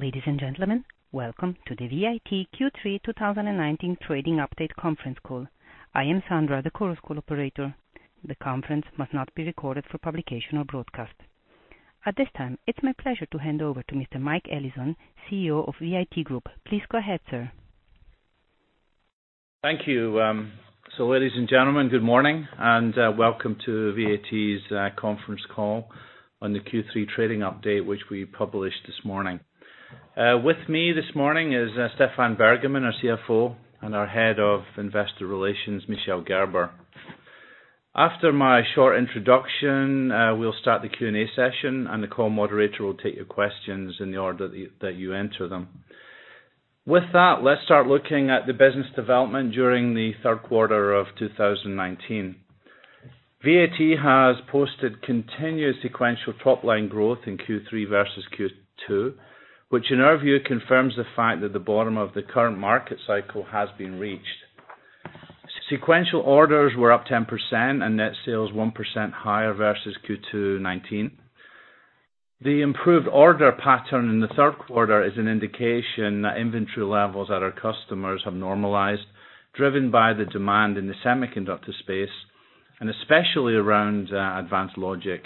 Ladies and gentlemen, welcome to the VAT Q3 2019 Trading Update Conference Call. I am Sandra, the Chorus Call operator. The conference must not be recorded for publication or broadcast. At this time, it's my pleasure to hand over to Mr. Mike Allison, CEO of VAT Group. Please go ahead, sir. Thank you. Ladies and gentlemen, good morning and welcome to VAT's conference call on the Q3 trading update, which we published this morning. With me this morning is Stephan Bergmann, our CFO, and our Head of Investor Relations, Michel Gerber. After my short introduction, we'll start the Q&A session, and the call moderator will take your questions in the order that you enter them. Let's start looking at the business development during the third quarter of 2019. VAT has posted continuous sequential top-line growth in Q3 versus Q2, which in our view confirms the fact that the bottom of the current market cycle has been reached. Sequential orders were up 10% and net sales 1% higher versus Q2 '19. The improved order pattern in the third quarter is an indication that inventory levels at our customers have normalized, driven by the demand in the semiconductor space, and especially around advanced logic.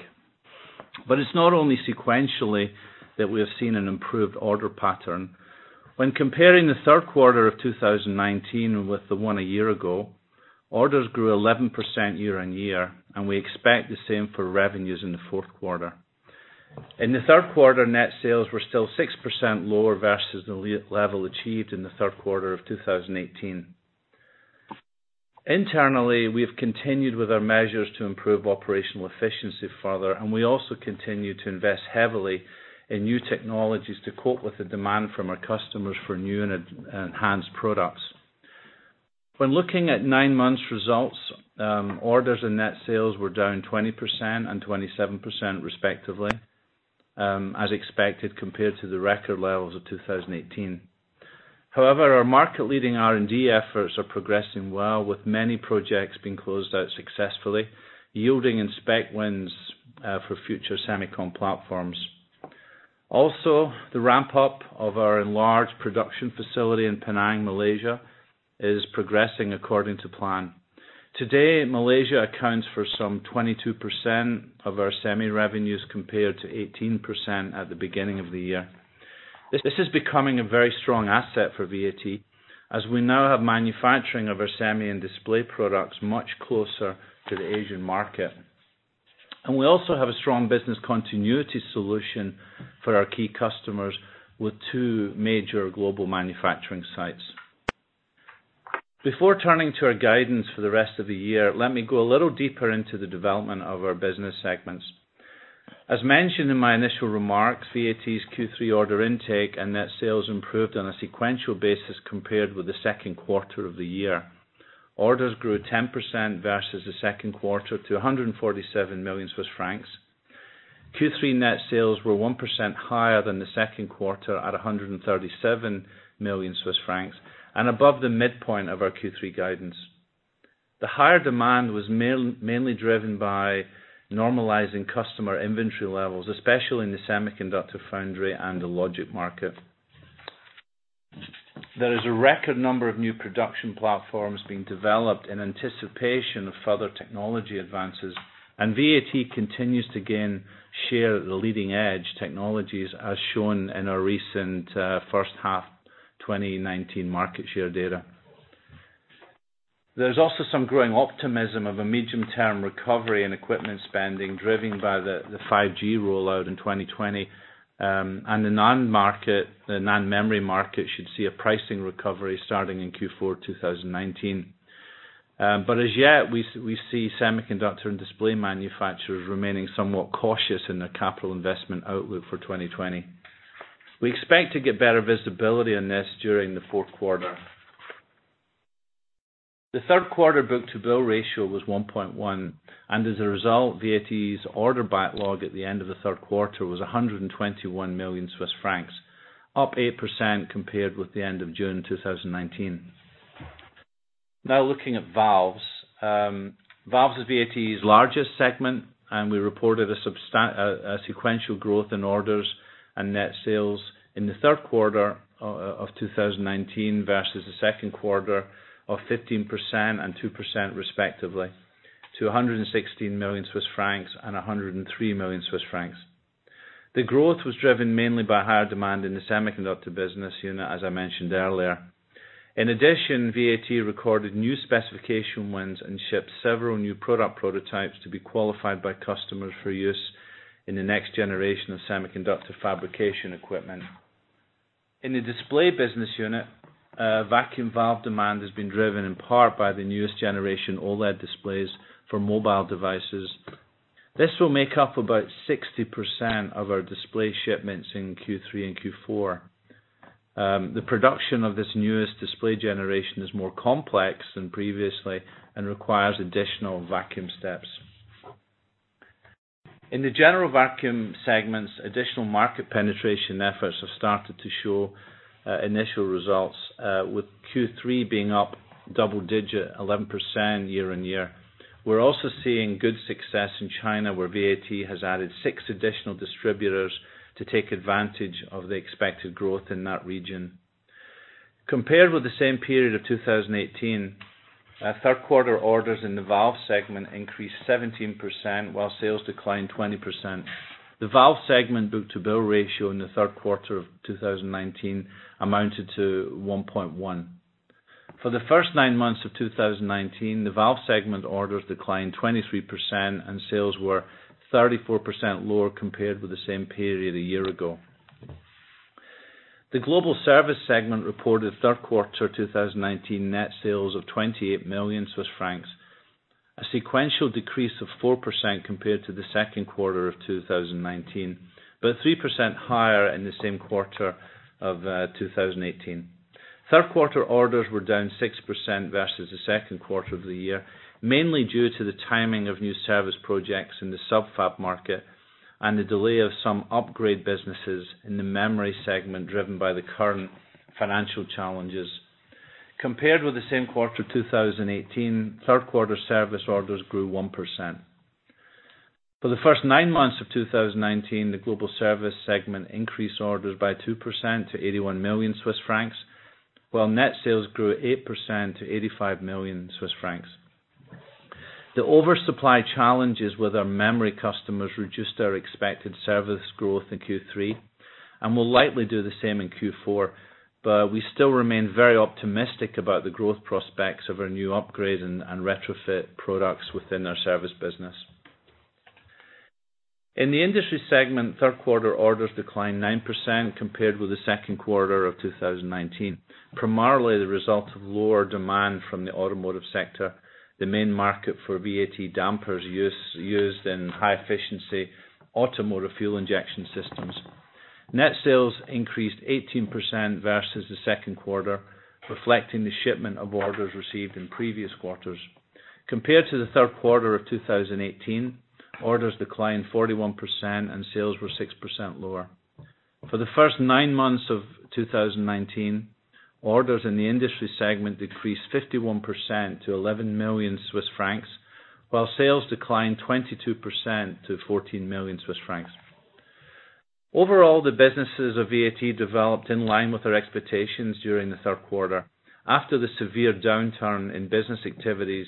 It's not only sequentially that we have seen an improved order pattern. When comparing the third quarter of 2019 with the one a year ago, orders grew 11% year-over-year, we expect the same for revenues in the fourth quarter. In the third quarter, net sales were still 6% lower versus the level achieved in the third quarter of 2018. Internally, we have continued with our measures to improve operational efficiency further, we also continue to invest heavily in new technologies to cope with the demand from our customers for new and enhanced products. When looking at nine months results, orders and net sales were down 20% and 27% respectively, as expected, compared to the record levels of 2018. However, our market leading R&D efforts are progressing well, with many projects being closed out successfully, yielding in spec wins for future semicon platforms. Also, the ramp-up of our enlarged production facility in Penang, Malaysia is progressing according to plan. Today, Malaysia accounts for some 22% of our semi revenues compared to 18% at the beginning of the year. We also have a strong business continuity solution for our key customers, with two major global manufacturing sites. Before turning to our guidance for the rest of the year, let me go a little deeper into the development of our business segments. As mentioned in my initial remarks, VAT's Q3 order intake and net sales improved on a sequential basis compared with the second quarter of the year. Orders grew 10% versus the second quarter to 147 million Swiss francs. Q3 net sales were 1% higher than the second quarter at 137 million Swiss francs, and above the midpoint of our Q3 guidance. The higher demand was mainly driven by normalizing customer inventory levels, especially in the semiconductor foundry and the logic market. There is a record number of new production platforms being developed in anticipation of further technology advances, and VAT continues to gain share of the leading edge technologies, as shown in our recent first half 2019 market share data. There's also some growing optimism of a medium-term recovery in equipment spending, driven by the 5G rollout in 2020. The non-memory market should see a pricing recovery starting in Q4 2019. As yet, we see semiconductor and display manufacturers remaining somewhat cautious in their capital investment outlook for 2020. We expect to get better visibility on this during the fourth quarter. The third quarter book-to-bill ratio was 1.1. As a result, VAT's order backlog at the end of the third quarter was 121 million Swiss francs, up 8% compared with the end of June 2019. Now looking at valves. Valves is VAT's largest segment. We reported a sequential growth in orders and net sales in the third quarter of 2019 versus the second quarter of 15% and 2% respectively, to 116 million Swiss francs and 103 million Swiss francs. The growth was driven mainly by higher demand in the semiconductor business unit, as I mentioned earlier. In addition, VAT recorded new specification wins and shipped several new product prototypes to be qualified by customers for use in the next generation of semiconductor fabrication equipment. In the display business unit, vacuum valve demand has been driven in part by the newest generation OLED displays for mobile devices. This will make up about 60% of our display shipments in Q3 and Q4. The production of this newest display generation is more complex than previously and requires additional vacuum steps. In the general vacuum segments, additional market penetration efforts have started to show initial results, with Q3 being up double-digit, 11% year-over-year. We're also seeing good success in China, where VAT has added six additional distributors to take advantage of the expected growth in that region. Compared with the same period of 2018, our third quarter orders in the Valve Segment increased 17%, while sales declined 20%. The Valve Segment book-to-bill ratio in the third quarter of 2019 amounted to 1.1. For the first nine months of 2019, the Valve Segment orders declined 23% and sales were 34% lower compared with the same period a year ago. The global Service Segment reported third quarter 2019 net sales of 28 million Swiss francs, a sequential decrease of 4% compared to the second quarter of 2019, but 3% higher in the same quarter of 2018. Third quarter orders were down 6% versus the second quarter of the year, mainly due to the timing of new service projects in the sub-fab market and the delay of some upgrade businesses in the memory segment, driven by the current financial challenges. Compared with the same quarter 2018, third quarter service orders grew 1%. For the first nine months of 2019, the global service segment increased orders by 2% to 81 million Swiss francs, while net sales grew 8% to 85 million Swiss francs. The oversupply challenges with our memory customers reduced our expected service growth in Q3, and will likely do the same in Q4, but we still remain very optimistic about the growth prospects of our new upgrade and retrofit products within our service business. In the industry segment, third quarter orders declined 9% compared with the second quarter of 2019, primarily the result of lower demand from the automotive sector, the main market for VAT dampers used in high-efficiency automotive fuel injection systems. Net sales increased 18% versus the second quarter, reflecting the shipment of orders received in previous quarters. Compared to the third quarter of 2018, orders declined 41% and sales were 6% lower. For the first nine months of 2019, orders in the industry segment decreased 51% to 11 million Swiss francs, while sales declined 22% to 14 million Swiss francs. Overall, the businesses of VAT developed in line with our expectations during the third quarter, after the severe downturn in business activities.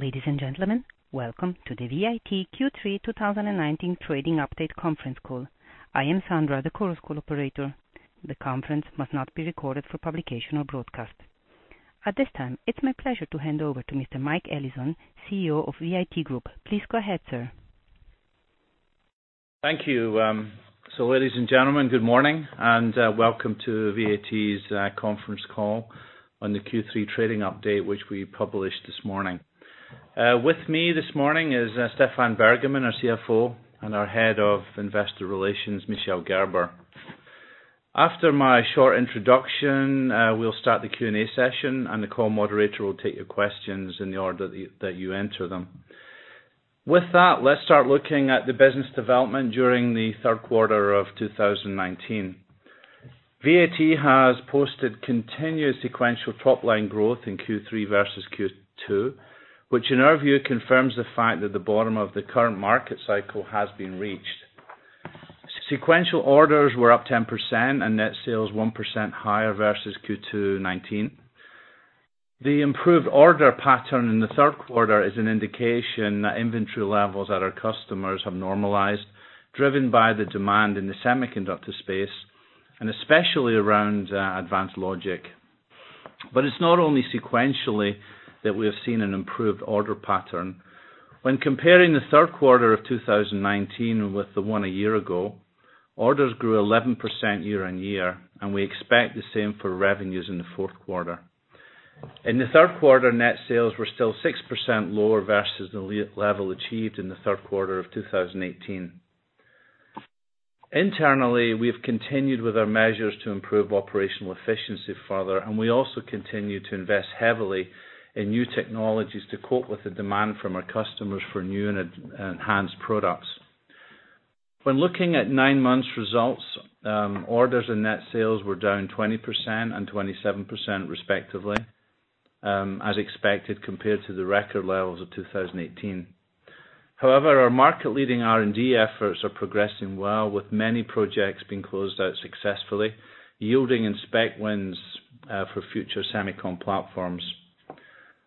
Ladies and gentlemen, welcome to the VAT Q3 2019 Trading Update conference call. I am Sandra, the Chorus Call operator. The conference must not be recorded for publication or broadcast. At this time, it's my pleasure to hand over to Mr. Mike Allison, CEO of VAT Group. Please go ahead, sir. Thank you. Ladies and gentlemen, good morning and welcome to VAT's conference call on the Q3 trading update, which we published this morning. With me this morning is Stefan Bergermann, our CFO, and our Head of Investor Relations, Michel Gerber. After my short introduction, we'll start the Q&A session, and the call moderator will take your questions in the order that you enter them. With that, let's start looking at the business development during the third quarter of 2019. VAT has posted continuous sequential top-line growth in Q3 versus Q2, which in our view confirms the fact that the bottom of the current market cycle has been reached. Sequential orders were up 10% and net sales 1% higher versus Q2 2019. The improved order pattern in the third quarter is an indication that inventory levels at our customers have normalized, driven by the demand in the semiconductor space, and especially around advanced logic. It's not only sequentially that we have seen an improved order pattern. When comparing the third quarter of 2019 with the one a year ago, orders grew 11% year-on-year, and we expect the same for revenues in the fourth quarter. In the third quarter, net sales were still 6% lower versus the level achieved in the third quarter of 2018. Internally, we have continued with our measures to improve operational efficiency further, and we also continue to invest heavily in new technologies to cope with the demand from our customers for new and enhanced products. When looking at nine months results, orders and net sales were down 20% and 27% respectively, as expected, compared to the record levels of 2018. However, our market leading R&D efforts are progressing well, with many projects being closed out successfully, yielding in spec wins for future semicon platforms.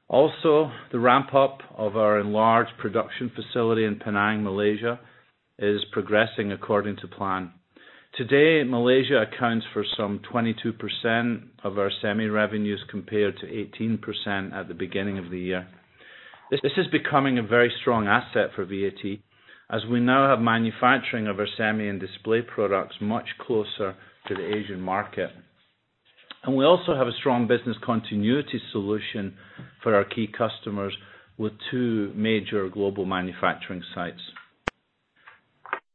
The ramp-up of our enlarged production facility in Penang, Malaysia is progressing according to plan. Today, Malaysia accounts for some 22% of our semi revenues, compared to 18% at the beginning of the year. This is becoming a very strong asset for VAT, as we now have manufacturing of our semi and display products much closer to the Asian market. We also have a strong business continuity solution for our key customers, with two major global manufacturing sites.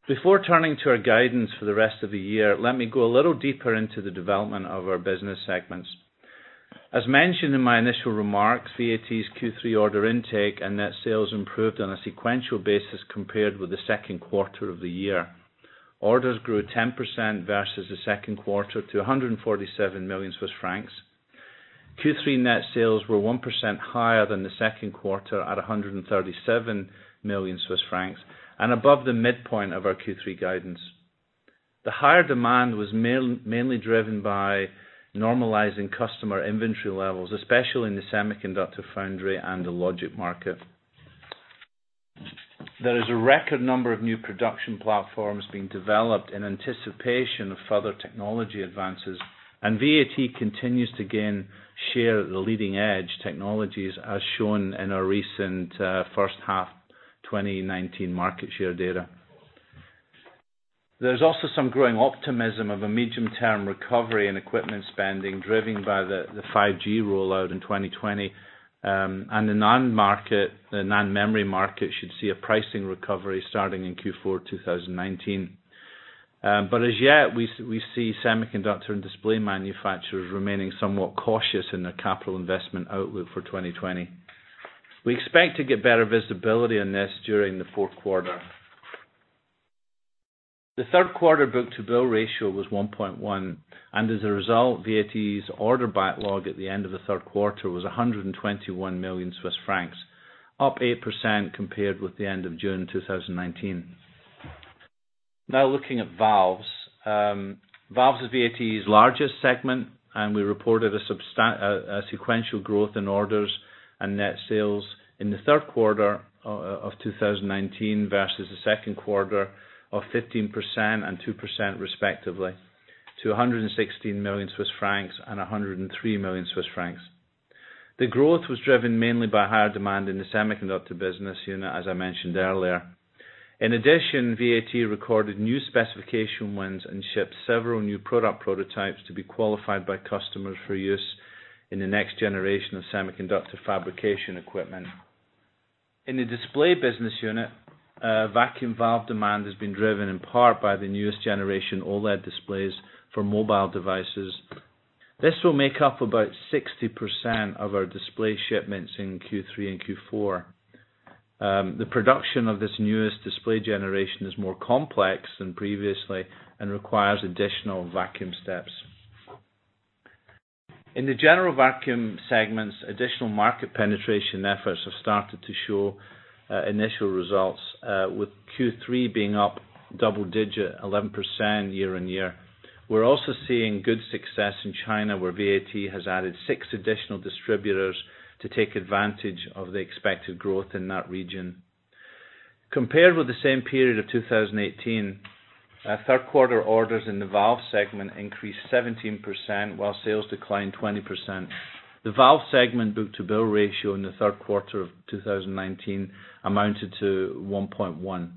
Before turning to our guidance for the rest of the year, let me go a little deeper into the development of our business segments. As mentioned in my initial remarks, VAT's Q3 order intake and net sales improved on a sequential basis compared with the second quarter of the year. Orders grew 10% versus the second quarter to 147 million Swiss francs. Q3 net sales were 1% higher than the second quarter at 137 million Swiss francs and above the midpoint of our Q3 guidance. The higher demand was mainly driven by normalizing customer inventory levels, especially in the semiconductor foundry and the logic market. There is a record number of new production platforms being developed in anticipation of further technology advances. VAT continues to gain share at the leading-edge technologies as shown in our recent first half 2019 market share data. There's also some growing optimism of a medium-term recovery in equipment spending, driven by the 5G rollout in 2020. The non-memory market should see a pricing recovery starting in Q4 2019. As yet, we see semiconductor and display manufacturers remaining somewhat cautious in their capital investment outlook for 2020. We expect to get better visibility on this during the fourth quarter. The third quarter book-to-bill ratio was 1.1, and as a result, VAT's order backlog at the end of the third quarter was 121 million Swiss francs, up 8% compared with the end of June 2019. Now looking at valves. Valves is VAT's largest segment, and we reported a sequential growth in orders and net sales in the third quarter of 2019 versus the second quarter of 15% and 2% respectively to 116 million Swiss francs and 103 million Swiss francs. The growth was driven mainly by higher demand in the semiconductor business unit, as I mentioned earlier. In addition, VAT recorded new specification wins and shipped several new product prototypes to be qualified by customers for use in the next generation of semiconductor fabrication equipment. In the display business unit, vacuum valve demand has been driven in part by the newest generation OLED displays for mobile devices. This will make up about 60% of our display shipments in Q3 and Q4. The production of this newest display generation is more complex than previously and requires additional vacuum steps. In the general vacuum segments, additional market penetration efforts have started to show initial results, with Q3 being up double digit, 11% year-on-year. We're also seeing good success in China, where VAT has added six additional distributors to take advantage of the expected growth in that region. Compared with the same period of 2018, third quarter orders in the valve segment increased 17%, while sales declined 20%. The valve segment book-to-bill ratio in the third quarter of 2019 amounted to 1.1.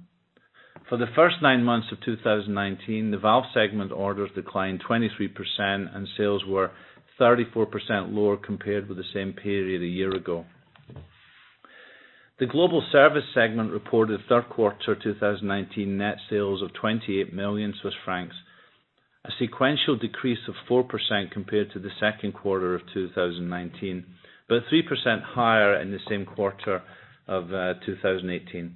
For the first nine months of 2019, the valve segment orders declined 23% and sales were 34% lower compared with the same period a year ago. The global service segment reported third quarter 2019 net sales of 28 million Swiss francs, a sequential decrease of 4% compared to the second quarter of 2019, but 3% higher in the same quarter of 2018.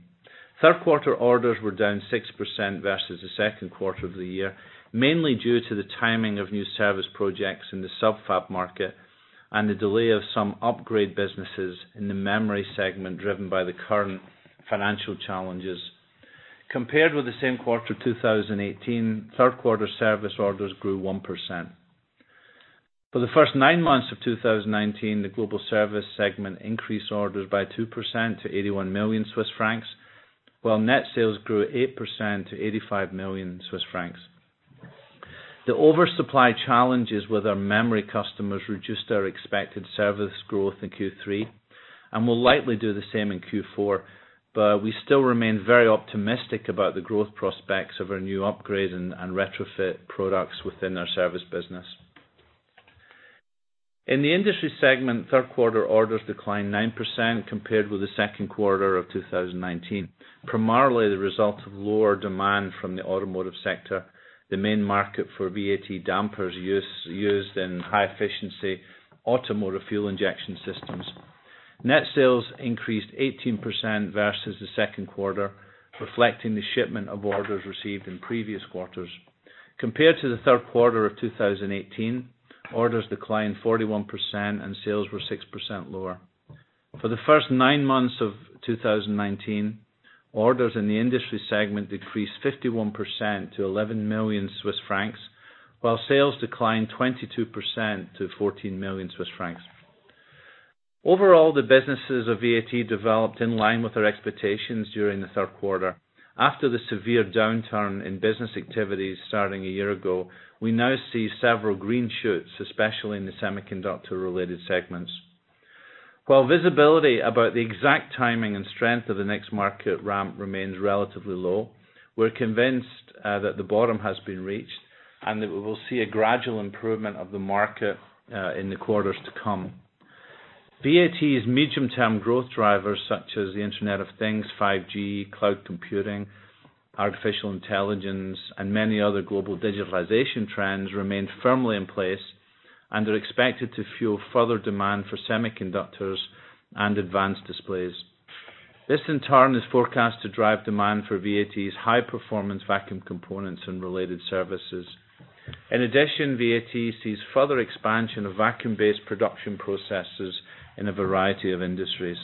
Third quarter orders were down 6% versus the second quarter of the year, mainly due to the timing of new service projects in the sub-fab market and the delay of some upgrade businesses in the memory segment, driven by the current financial challenges. Compared with the same quarter 2018, third quarter service orders grew 1%. For the first nine months of 2019, the global service segment increased orders by 2% to 81 million Swiss francs, while net sales grew 8% to 85 million Swiss francs. The oversupply challenges with our memory customers reduced our expected service growth in Q3 and will likely do the same in Q4, but we still remain very optimistic about the growth prospects of our new upgrade and retrofit products within our service business. In the industry segment, third quarter orders declined 9% compared with the second quarter of 2019, primarily the result of lower demand from the automotive sector, the main market for VAT dampers used in high-efficiency automotive fuel injection systems. Net sales increased 18% versus the second quarter, reflecting the shipment of orders received in previous quarters. Compared to the third quarter of 2018, orders declined 41% and sales were 6% lower. For the first nine months of 2019, orders in the industry segment decreased 51% to 11 million Swiss francs, while sales declined 22% to 14 million Swiss francs. Overall, the businesses of VAT developed in line with our expectations during the third quarter. After the severe downturn in business activities starting a year ago, we now see several green shoots, especially in the semiconductor-related segments. While visibility about the exact timing and strength of the next market ramp remains relatively low, we're convinced that the bottom has been reached and that we will see a gradual improvement of the market in the quarters to come. VAT's medium-term growth drivers such as the Internet of Things, 5G, cloud computing, artificial intelligence, and many other global digitalization trends remain firmly in place. They are expected to fuel further demand for semiconductors and advanced displays. This in turn, is forecast to drive demand for VAT's high-performance vacuum components and related services. In addition, VAT sees further expansion of vacuum-based production processes in a variety of industries.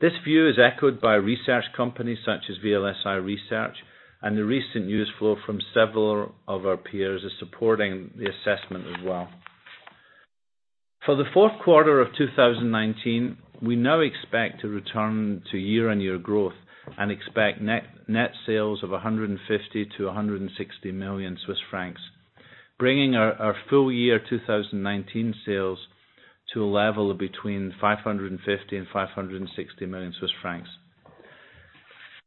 This view is echoed by research companies such as VLSI Research. The recent news flow from several of our peers is supporting the assessment as well. For the fourth quarter of 2019, we now expect to return to year-on-year growth and expect net sales of 150 million to 160 million Swiss francs, bringing our full year 2019 sales to a level of between 550 million and 560 million Swiss francs.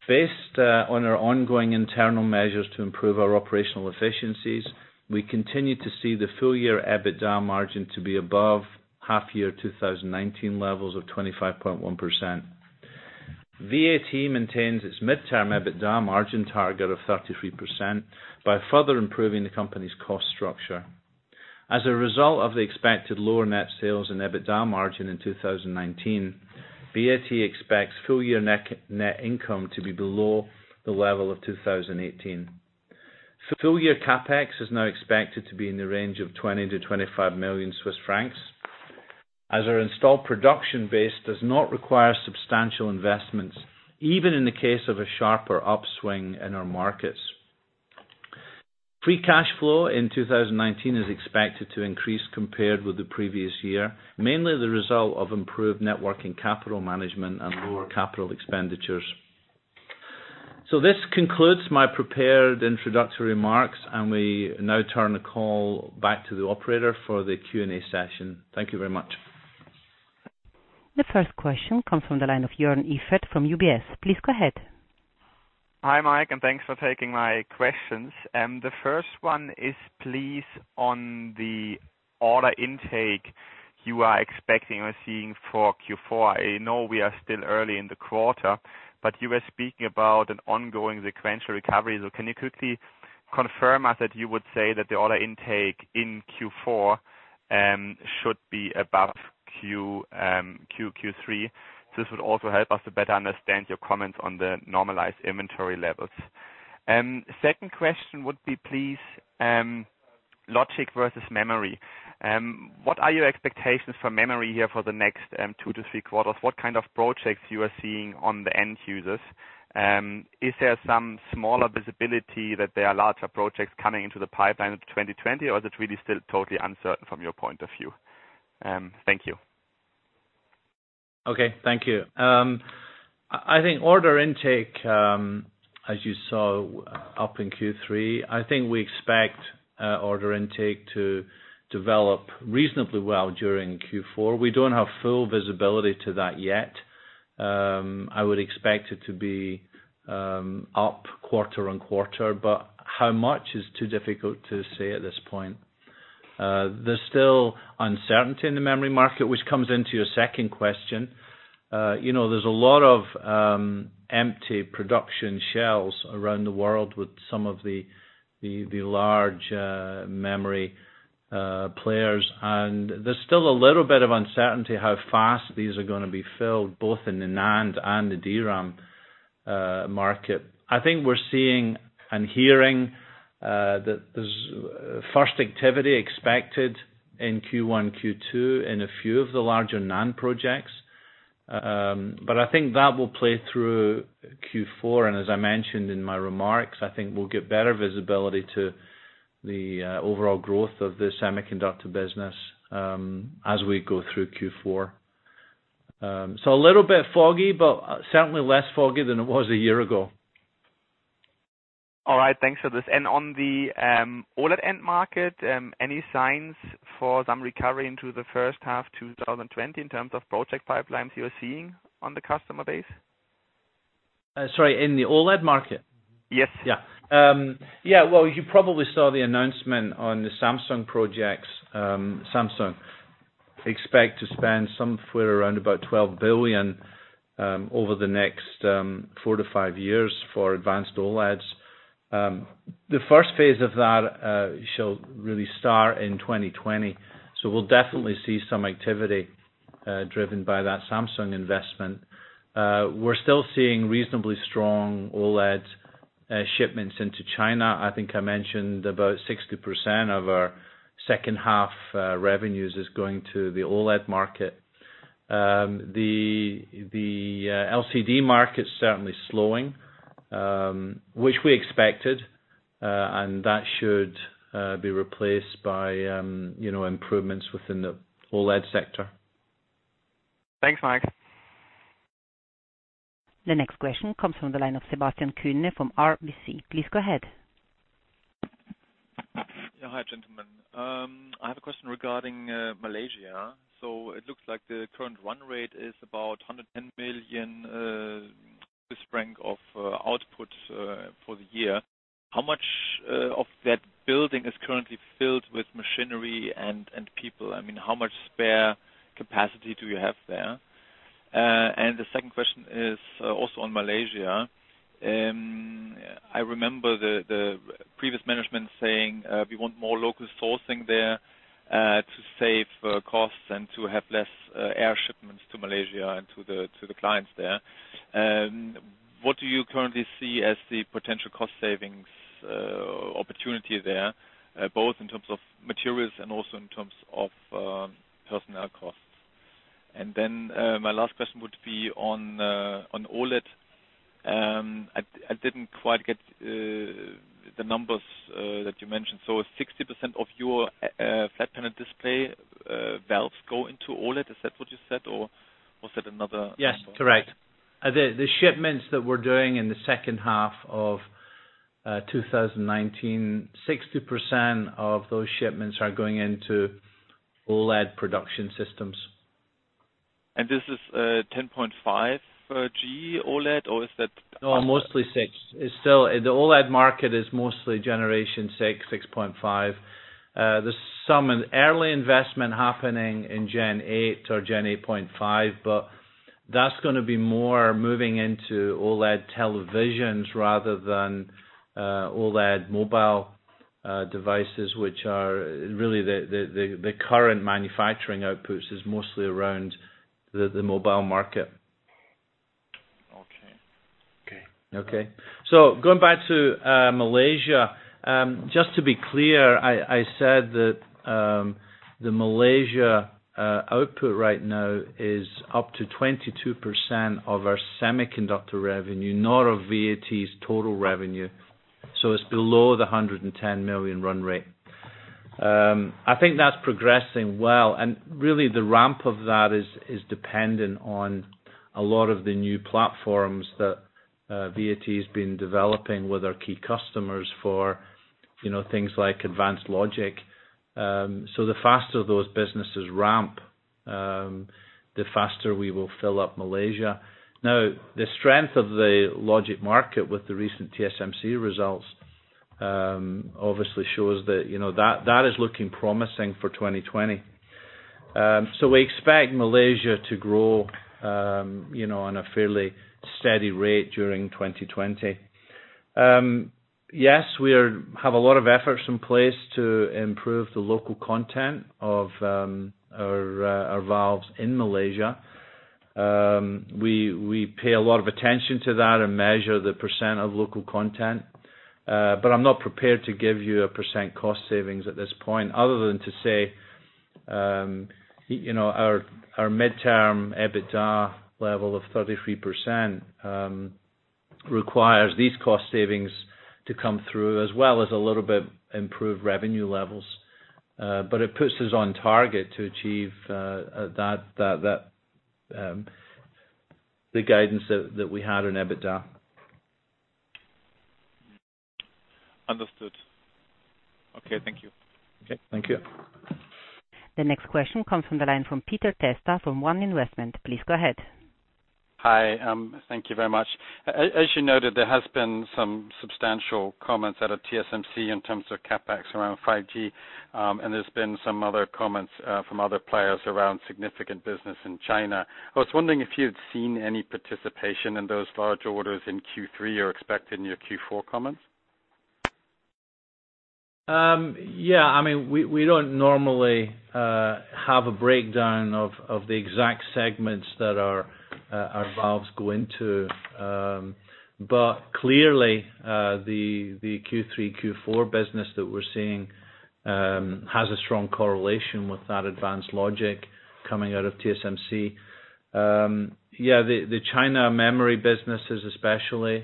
Based on our ongoing internal measures to improve our operational efficiencies, we continue to see the full year EBITDA margin to be above half year 2019 levels of 25.1%. VAT maintains its midterm EBITDA margin target of 33% by further improving the company's cost structure. As a result of the expected lower net sales and EBITDA margin in 2019, VAT expects full year net income to be below the level of 2018. Full year CapEx is now expected to be in the range of 20 million-25 million Swiss francs, as our installed production base does not require substantial investments, even in the case of a sharper upswing in our markets. Free cash flow in 2019 is expected to increase compared with the previous year, mainly the result of improved networking capital management and lower capital expenditures. This concludes my prepared introductory remarks, and we now turn the call back to the operator for the Q&A session. Thank you very much. The first question comes from the line of Jörn Iffert from UBS. Please go ahead. Hi, Mike, and thanks for taking my questions. The first one is, please, on the order intake you are expecting or seeing for Q4. I know we are still early in the quarter, but you were speaking about an ongoing sequential recovery. Can you quickly confirm us that you would say that the order intake in Q4 should be above Q3? This would also help us to better understand your comments on the normalized inventory levels. Second question would be, please, logic versus memory. What are your expectations for memory here for the next two to three quarters? What kind of projects you are seeing on the end users? Is there some smaller visibility that there are larger projects coming into the pipeline of 2020, or is it really still totally uncertain from your point of view? Thank you. Okay. Thank you. I think order intake, as you saw up in Q3, I think we expect order intake to develop reasonably well during Q4. We don't have full visibility to that yet. I would expect it to be up quarter-on-quarter, but how much is too difficult to say at this point. There's still uncertainty in the memory market, which comes into your second question. There's a lot of empty production shells around the world with some of the large memory players. There's still a little bit of uncertainty how fast these are going to be filled, both in the NAND and the DRAM market. I think we're seeing and hearing that there's first activity expected in Q1, Q2 in a few of the larger NAND projects. I think that will play through Q4. As I mentioned in my remarks, I think we'll get better visibility to the overall growth of the semiconductor business as we go through Q4. A little bit foggy, but certainly less foggy than it was a year ago. All right. Thanks for this. On the OLED end market, any signs for some recovery into the first half 2020 in terms of project pipelines you're seeing on the customer base? Sorry, in the OLED market? Yes. Yeah. Well, you probably saw the announcement on the Samsung projects. Samsung expect to spend somewhere around about 12 billion over the next four to five years for advanced OLEDs. The first phase of that should really start in 2020. We'll definitely see some activity driven by that Samsung investment. We're still seeing reasonably strong OLED shipments into China. I think I mentioned about 60% of our second half revenues is going to the OLED market. The LCD market is certainly slowing, which we expected, and that should be replaced by improvements within the OLED sector. Thanks, Mike. The next question comes from the line of Sebastian Kuenne from RBC. Please go ahead. Hi, gentlemen. I have a question regarding Malaysia. It looks like the current run rate is about 110 million of output for the year. How much of that building is currently filled with machinery and people? I mean, how much spare capacity do you have there? The second question is also on Malaysia. I remember the previous management saying, we want more local sourcing there, to save costs and to have less air shipments to Malaysia and to the clients there. What do you currently see as the potential cost savings opportunity there, both in terms of materials and also in terms of personnel costs? My last question would be on OLED. I didn't quite get the numbers that you mentioned. If 60% of your flat panel display valves go into OLED, is that what you said, or was it another number? Yes, correct. The shipments that we're doing in the second half of 2019, 60% of those shipments are going into OLED production systems. This is 10.5G OLED, or is that- No, mostly six. The OLED market is mostly generation 6.5. There is some early investment happening in Gen 8 or Gen 8.5, but that is going to be more moving into OLED televisions rather than OLED mobile devices, which are really the current manufacturing outputs is mostly around the mobile market. Okay. Okay. Going back to Malaysia. Just to be clear, I said that the Malaysia output right now is up to 22% of our semiconductor revenue, not of VAT's total revenue. It's below the 110 million run rate. I think that's progressing well. Really the ramp of that is dependent on a lot of the new platforms that VAT has been developing with our key customers for things like advanced logic. The faster those businesses ramp, the faster we will fill up Malaysia. The strength of the logic market with the recent TSMC results obviously shows that is looking promising for 2020. We expect Malaysia to grow on a fairly steady rate during 2020. Yes, we have a lot of efforts in place to improve the local content of our valves in Malaysia. We pay a lot of attention to that and measure the % of local content. I'm not prepared to give you a % cost savings at this point other than to say our midterm EBITDA level of 33% requires these cost savings to come through as well as a little bit improved revenue levels. It puts us on target to achieve the guidance that we had on EBITDA. Understood. Okay. Thank you. Okay. Thank you. The next question comes from the line from Peter Testa from One Investment. Please go ahead. Hi. Thank you very much. As you noted, there has been some substantial comments out of TSMC in terms of CapEx around 5G. There's been some other comments from other players around significant business in China. I was wondering if you had seen any participation in those large orders in Q3 or expect in your Q4 comments. Yeah, we don't normally have a breakdown of the exact segments that our valves go into. Clearly, the Q3, Q4 business that we're seeing has a strong correlation with that advanced logic coming out of TSMC. The China memory businesses especially,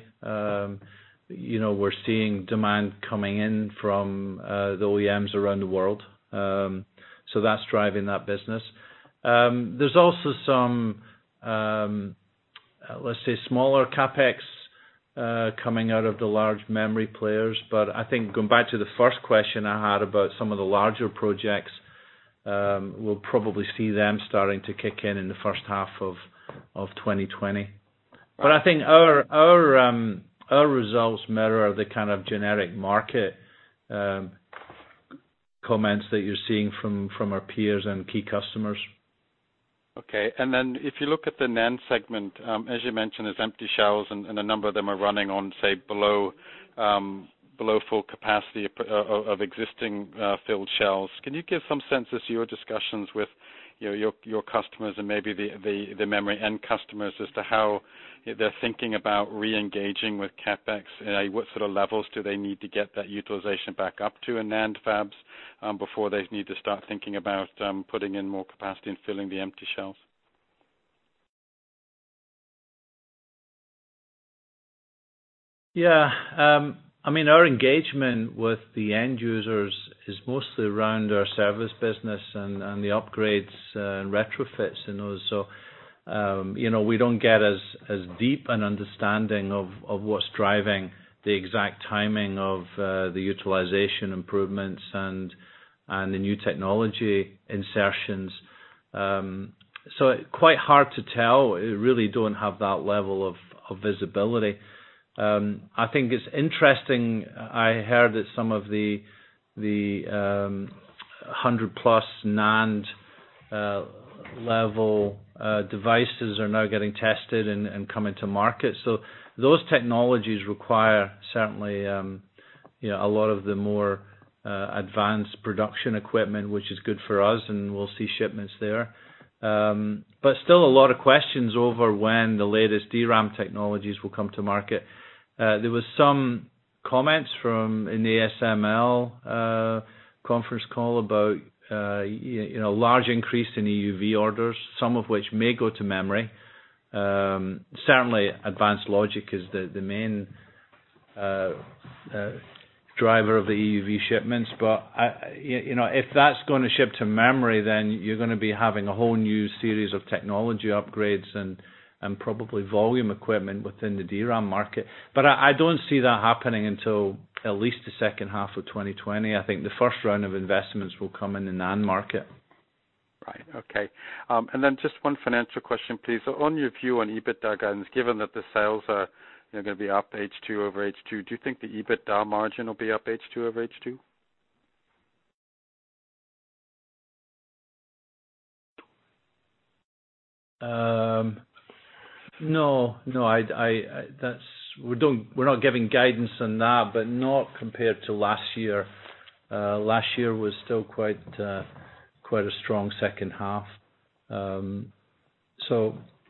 we're seeing demand coming in from the OEMs around the world. That's driving that business. There's also some, let's say, smaller CapEx, coming out of the large memory players. I think going back to the first question I had about some of the larger projects, we'll probably see them starting to kick in in the first half of 2020. I think our results mirror the kind of generic market comments that you're seeing from our peers and key customers. Okay. If you look at the NAND segment, as you mentioned, it's empty shells and a number of them are running on, say, below full capacity of existing filled shells. Can you give some sense as to your discussions with your customers and maybe the memory end customers as to how they're thinking about reengaging with CapEx? What sort of levels do they need to get that utilization back up to in NAND fabs before they need to start thinking about putting in more capacity and filling the empty shells? Yeah. Our engagement with the end users is mostly around our service business and the upgrades and retrofits in those. We don't get as deep an understanding of what's driving the exact timing of the utilization improvements and the new technology insertions. Quite hard to tell. Really don't have that level of visibility. I think it's interesting, I heard that some of the 100+ NAND level devices are now getting tested and coming to market. Those technologies require certainly, a lot of the more advanced production equipment, which is good for us, and we'll see shipments there. Still a lot of questions over when the latest DRAM technologies will come to market. There was some comments from an ASML conference call about, large increase in EUV orders, some of which may go to memory. Certainly Advanced Logic is the main driver of the EUV shipments. If that's going to ship to memory, then you're going to be having a whole new series of technology upgrades and probably volume equipment within the DRAM market. I don't see that happening until at least the second half of 2020. I think the first round of investments will come in the NAND market. Right. Okay. Just one financial question, please. On your view on EBITDA guidance, given that the sales are going to be up H2 over H2, do you think the EBITDA margin will be up H2 over H2? No, we're not giving guidance on that, but not compared to last year. Last year was still quite a strong second half.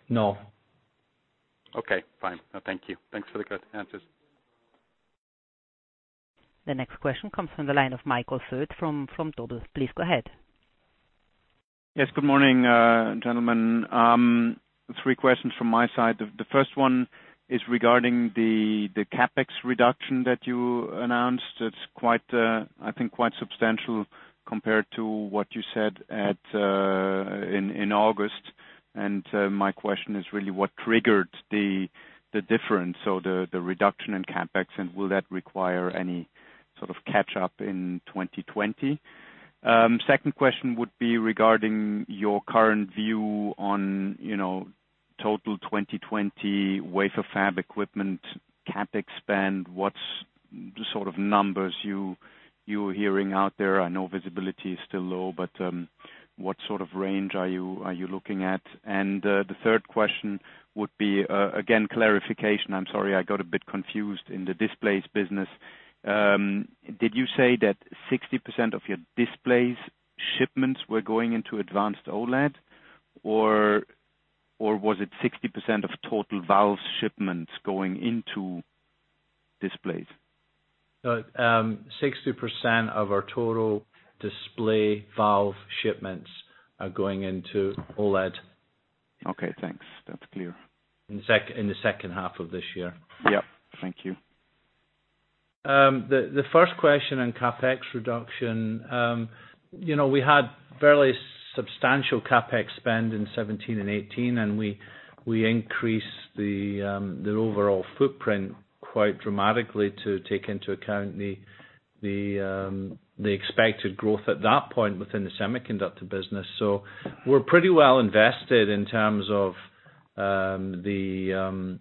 No. Okay, fine. No, thank you. Thanks for the good answers. The next question comes from the line of Michael Foeth from Vontobel. Please go ahead. Yes, good morning, gentlemen. Three questions from my side. The first one is regarding the CapEx reduction that you announced. It's, I think, quite substantial compared to what you said in August. My question is really what triggered the difference, so the reduction in CapEx, and will that require any sort of catch up in 2020? Second question would be regarding your current view on total 2020 wafer fab equipment, CapEx spend, what sort of numbers you're hearing out there. I know visibility is still low, what sort of range are you looking at? The third question would be, again, clarification. I'm sorry, I got a bit confused in the displays business. Did you say that 60% of your displays shipments were going into advanced OLED, or was it 60% of total valves shipments going into displays? 60% of our total display valve shipments are going into OLED. Okay, thanks. That's clear. In the second half of this year. Yep. Thank you. The first question on CapEx reduction. We had fairly substantial CapEx spend in 2017 and 2018, and we increased the overall footprint quite dramatically to take into account the expected growth at that point within the semiconductor business. We're pretty well invested in terms of the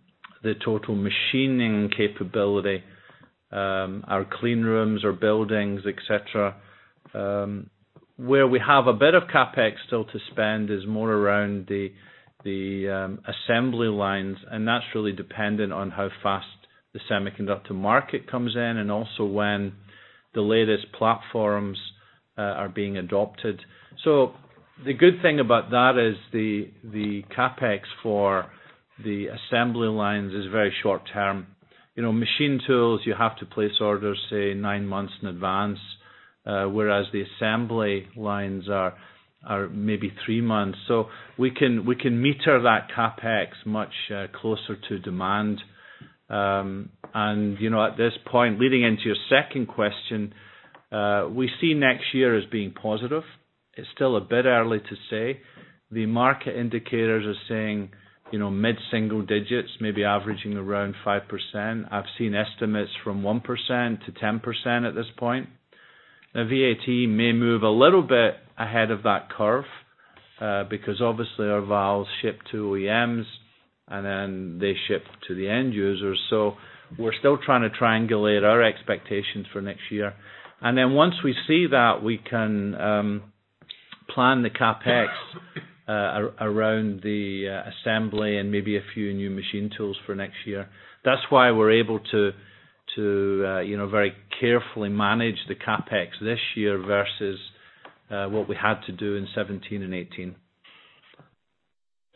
total machining capability, our clean rooms, our buildings, et cetera. Where we have a bit of CapEx still to spend is more around the assembly lines, and that's really dependent on how fast the semiconductor market comes in and also when the latest platforms are being adopted. The good thing about that is the CapEx for the assembly lines is very short-term. Machine tools, you have to place orders, say, nine months in advance, whereas the assembly lines are maybe three months. We can meter that CapEx much closer to demand. At this point, leading into your second question, we see next year as being positive. It's still a bit early to say. The market indicators are saying, mid-single digits, maybe averaging around 5%. I've seen estimates from 1% to 10% at this point. VAT may move a little bit ahead of that curve, because obviously our valves ship to OEMs, and then they ship to the end users. We're still trying to triangulate our expectations for next year. Once we see that, we can plan the CapEx around the assembly and maybe a few new machine tools for next year. That's why we're able to very carefully manage the CapEx this year versus what we had to do in 2017 and 2018.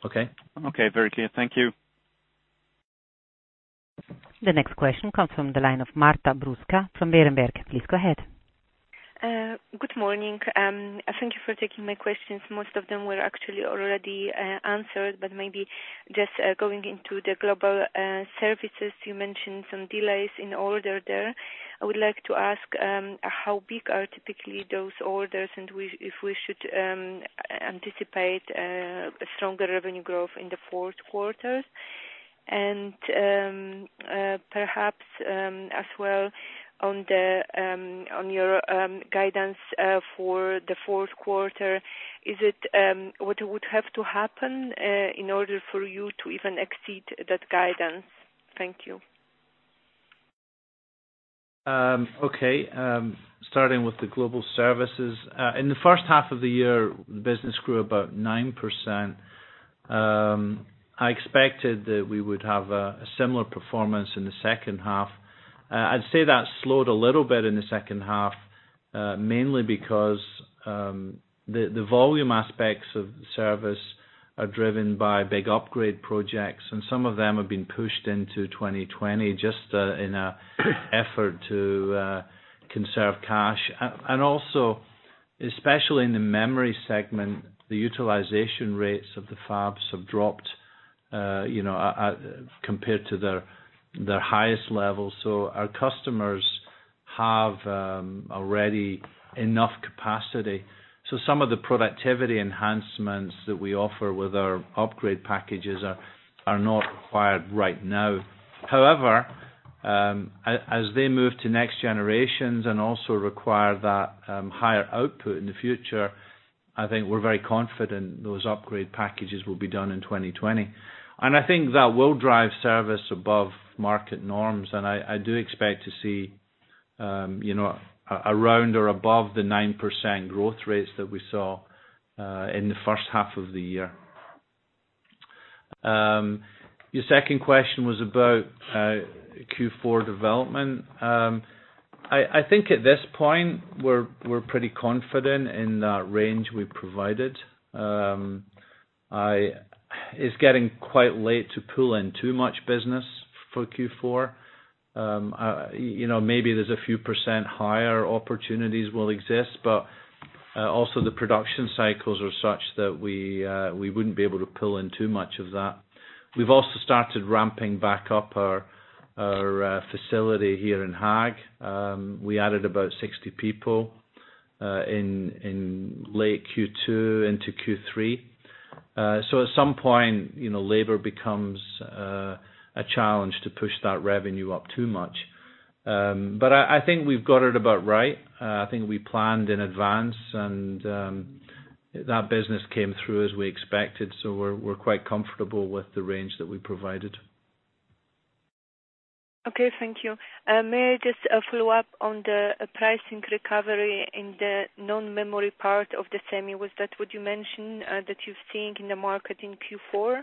Okay. Okay, very clear. Thank you. The next question comes from the line of Marta Bruska from Berenberg. Please go ahead. Good morning. Thank you for taking my questions. Most of them were actually already answered, but maybe just going into the global services, you mentioned some delays in order there. I would like to ask, how big are typically those orders, and if we should anticipate a stronger revenue growth in the fourth quarter? Perhaps, as well on your guidance for the fourth quarter, what would have to happen, in order for you to even exceed that guidance? Thank you. Okay. Starting with the global services. In the first half of the year, the business grew about 9%. I expected that we would have a similar performance in the second half. I'd say that slowed a little bit in the second half, mainly because the volume aspects of the service are driven by big upgrade projects, and some of them have been pushed into 2020 just in an effort to conserve cash. Also, especially in the memory segment, the utilization rates of the fabs have dropped compared to their highest levels. Our customers have already enough capacity. Some of the productivity enhancements that we offer with our upgrade packages are not required right now. However, as they move to next generations and also require that higher output in the future, I think we're very confident those upgrade packages will be done in 2020. I think that will drive service above market norms, and I do expect to see around or above the 9% growth rates that we saw in the first half of the year. Your second question was about Q4 development. I think at this point, we're pretty confident in that range we provided. It's getting quite late to pull in too much business for Q4. Maybe there's a few % higher opportunities will exist, but also the production cycles are such that we wouldn't be able to pull in too much of that. We've also started ramping back up our facility here in Haag. We added about 60 people in late Q2 into Q3. At some point, labor becomes a challenge to push that revenue up too much. I think we've got it about right. I think we planned in advance, and that business came through as we expected. We're quite comfortable with the range that we provided. Okay, thank you. May I just follow up on the pricing recovery in the non-memory part of the semi. Was that what you mentioned that you're seeing in the market in Q4?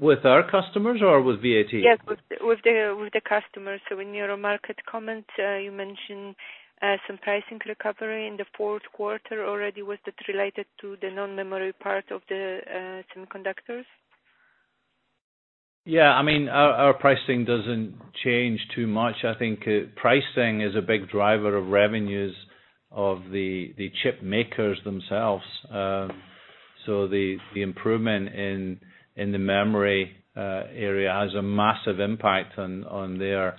With our customers or with VAT? Yes, with the customers. In your market comment, you mentioned some pricing recovery in the fourth quarter already. Was that related to the non-memory part of the semiconductors? Yeah. Our pricing doesn't change too much. I think pricing is a big driver of revenues of the chipmakers themselves. The improvement in the memory area has a massive impact on their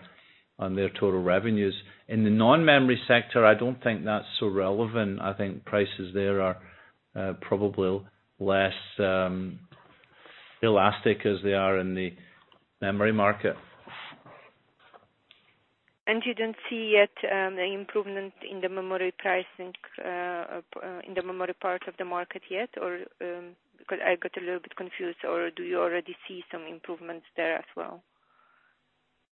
total revenues. In the non-memory sector, I don't think that's so relevant. I think prices there are probably less elastic as they are in the memory market. You don't see yet the improvement in the memory pricing, in the memory part of the market yet, or because I got a little bit confused, or do you already see some improvements there as well?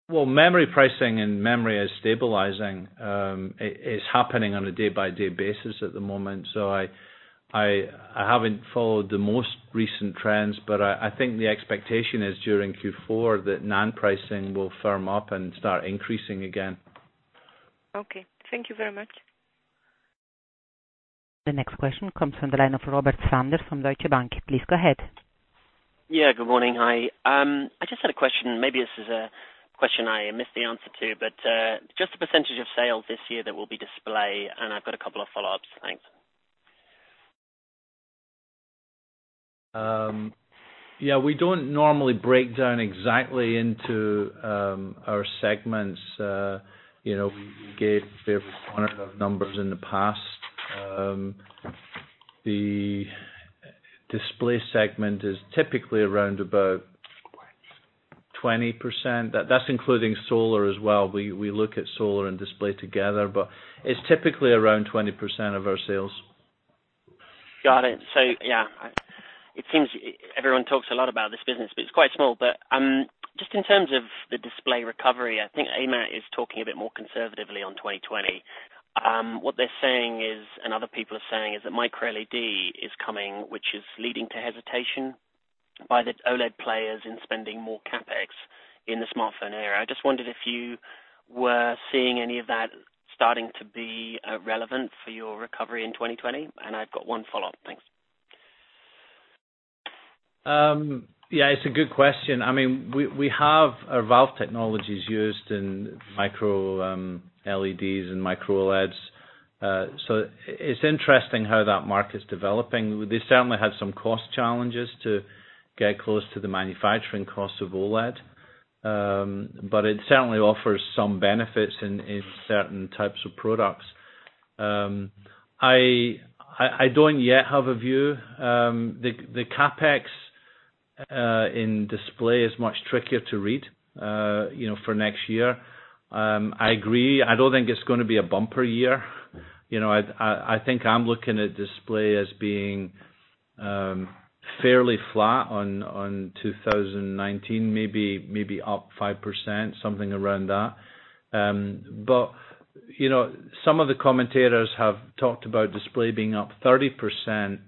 Well, memory pricing and memory is stabilizing. It is happening on a day-by-day basis at the moment. I haven't followed the most recent trends, but I think the expectation is during Q4 that NAND pricing will firm up and start increasing again. Okay. Thank you very much. The next question comes from the line of Robert Sanders from Deutsche Bank. Please go ahead. Yeah, good morning. Hi. I just had a question. Maybe this is a question I missed the answer to. Just the percentage of sales this year that will be display? I've got a couple of follow-ups. Thanks. Yeah, we don't normally break down exactly into our segments. We gave very quantitative numbers in the past. The display segment is typically around about 20%. That's including solar as well. We look at solar and display together, but it's typically around 20% of our sales. Got it. Yeah, it seems everyone talks a lot about this business, but it's quite small. Just in terms of the display recovery, I think AMAT is talking a bit more conservatively on 2020. What they're saying is, and other people are saying, is that MicroLED is coming, which is leading to hesitation by the OLED players in spending more CapEx in the smartphone area. I just wondered if you were seeing any of that starting to be relevant for your recovery in 2020, and I've got one follow-up. Thanks. It's a good question. We have our valve technologies used in MicroLEDs and micro-LEDs. It's interesting how that market's developing. They certainly have some cost challenges to get close to the manufacturing cost of OLED, but it certainly offers some benefits in certain types of products. I don't yet have a view. The CapEx in display is much trickier to read for next year. I agree, I don't think it's going to be a bumper year. I think I'm looking at display as being fairly flat on 2019, maybe up 5%, something around that. Some of the commentators have talked about display being up 30%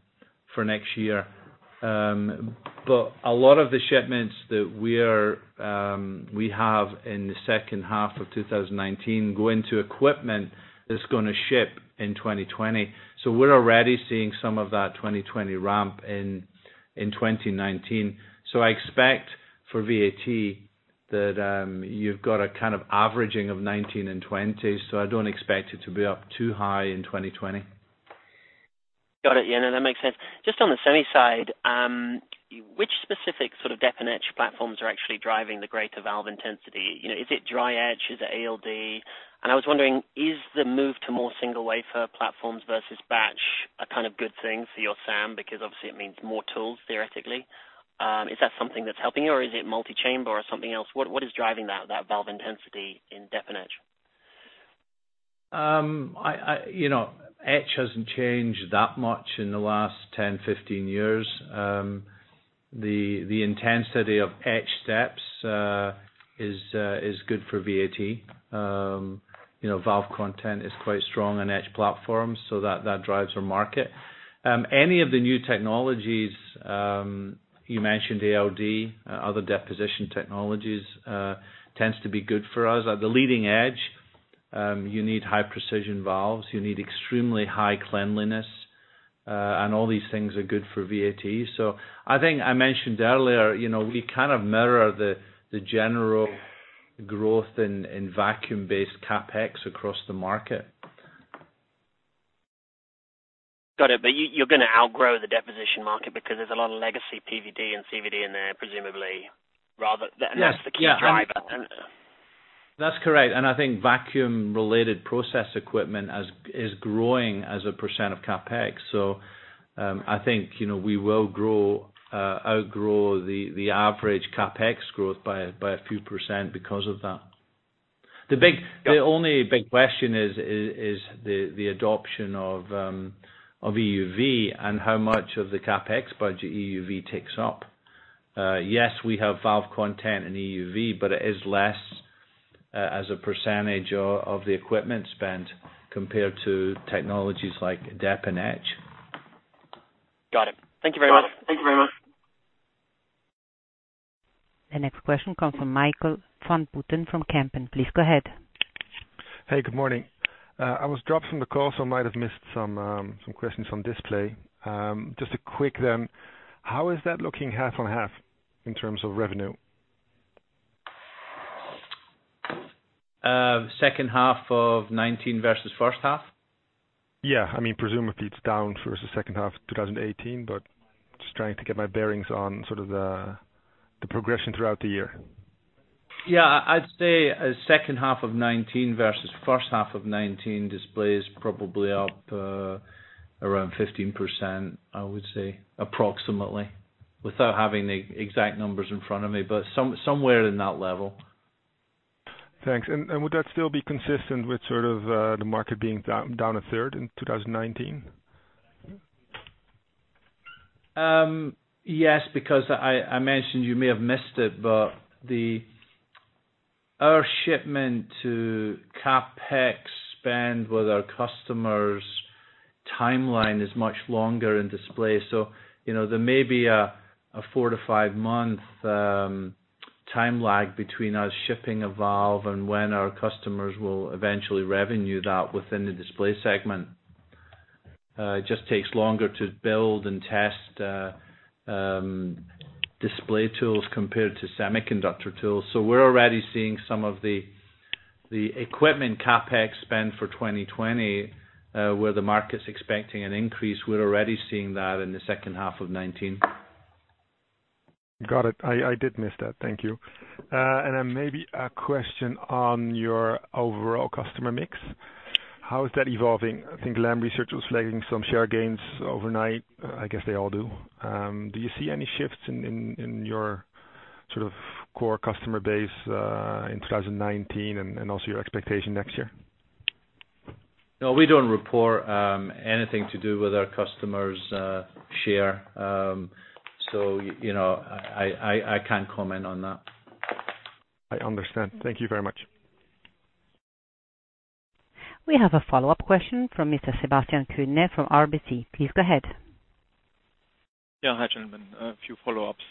for next year. A lot of the shipments that we have in the second half of 2019 go into equipment that's going to ship in 2020. We're already seeing some of that 2020 ramp in 2019. I expect for VAT that you've got a kind of averaging of 2019 and 2020, so I don't expect it to be up too high in 2020. Got it. Yeah, no, that makes sense. Just on the semi side, which specific sort of Deposition and Etch platforms are actually driving the greater valve intensity? Is it dry etch? Is it ALD? I was wondering, is the move to more single wafer platforms versus batch a kind of good thing for your SAM? Because obviously it means more tools, theoretically. Is that something that's helping you, or is it multi-chamber or something else? What is driving that valve intensity in Deposition and Etch? Etch hasn't changed that much in the last 10, 15 years. The intensity of etch steps is good for VAT. Valve content is quite strong on etch platforms, so that drives our market. Any of the new technologies, you mentioned ALD, other deposition technologies, tends to be good for us. At the leading edge, you need high precision valves. You need extremely high cleanliness. All these things are good for VAT. I think I mentioned earlier, we kind of mirror the general growth in vacuum-based CapEx across the market. Got it. You're going to outgrow the deposition market because there's a lot of legacy PVD and CVD in there, presumably. Yes That's the key driver then. That's correct. I think vacuum-related process equipment is growing as a % of CapEx. I think we will outgrow the average CapEx growth by a few % because of that. Got it. The only big question is the adoption of EUV and how much of the CapEx budget EUV takes up. Yes, we have valve content in EUV, but it is less as a percentage of the equipment spent compared to technologies like dep and etch. Got it. Thank you very much. The next question comes from Nigel van Putten from Kempen. Please go ahead. Hey, good morning. I was dropped from the call, so I might have missed some questions on display. Just a quick then, how is that looking half on half in terms of revenue? Second half of 2019 versus first half? Yeah. Presumably it's down versus second half 2018. Just trying to get my bearings on sort of the progression throughout the year. Yeah. I'd say second half of 2019 versus first half of 2019, display is probably up around 15%, I would say, approximately, without having the exact numbers in front of me, but somewhere in that level. Thanks. Would that still be consistent with sort of the market being down a third in 2019? I mentioned, you may have missed it, but our shipment to CapEx spend with our customers' timeline is much longer in display. There may be a 4 to 5 month time lag between us shipping a valve and when our customers will eventually revenue that within the display segment. It just takes longer to build and test display tools compared to semiconductor tools. We're already seeing some of the equipment CapEx spend for 2020, where the market's expecting an increase. We're already seeing that in the second half of 2019. Got it. I did miss that. Thank you. Maybe a question on your overall customer mix. How is that evolving? I think Lam Research was flagging some share gains overnight. I guess they all do. Do you see any shifts in your sort of core customer base, in 2019 and also your expectation next year? No, we don't report anything to do with our customers' share. I can't comment on that. I understand. Thank you very much. We have a follow-up question from Mr. Sebastian Kuenne from RBC. Please go ahead. Hi, gentlemen. A few follow-ups.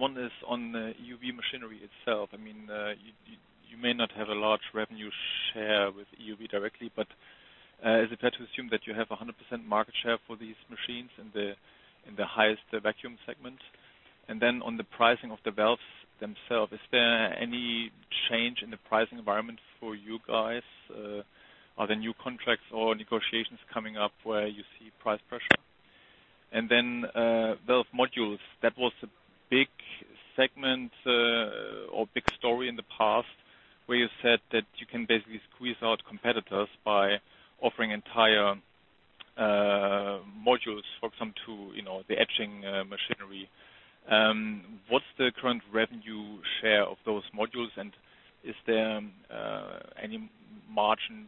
One is on EUV machinery itself. You may not have a large revenue share with EUV directly, is it fair to assume that you have 100% market share for these machines in the highest vacuum segment? On the pricing of the valves themselves, is there any change in the pricing environment for you guys? Are there new contracts or negotiations coming up where you see price pressure? Valve modules, that was a big segment, or big story in the past where you said that you can basically squeeze out competitors by offering entire modules, for example, to the etching machinery. What's the current revenue share of those modules, and is there any margin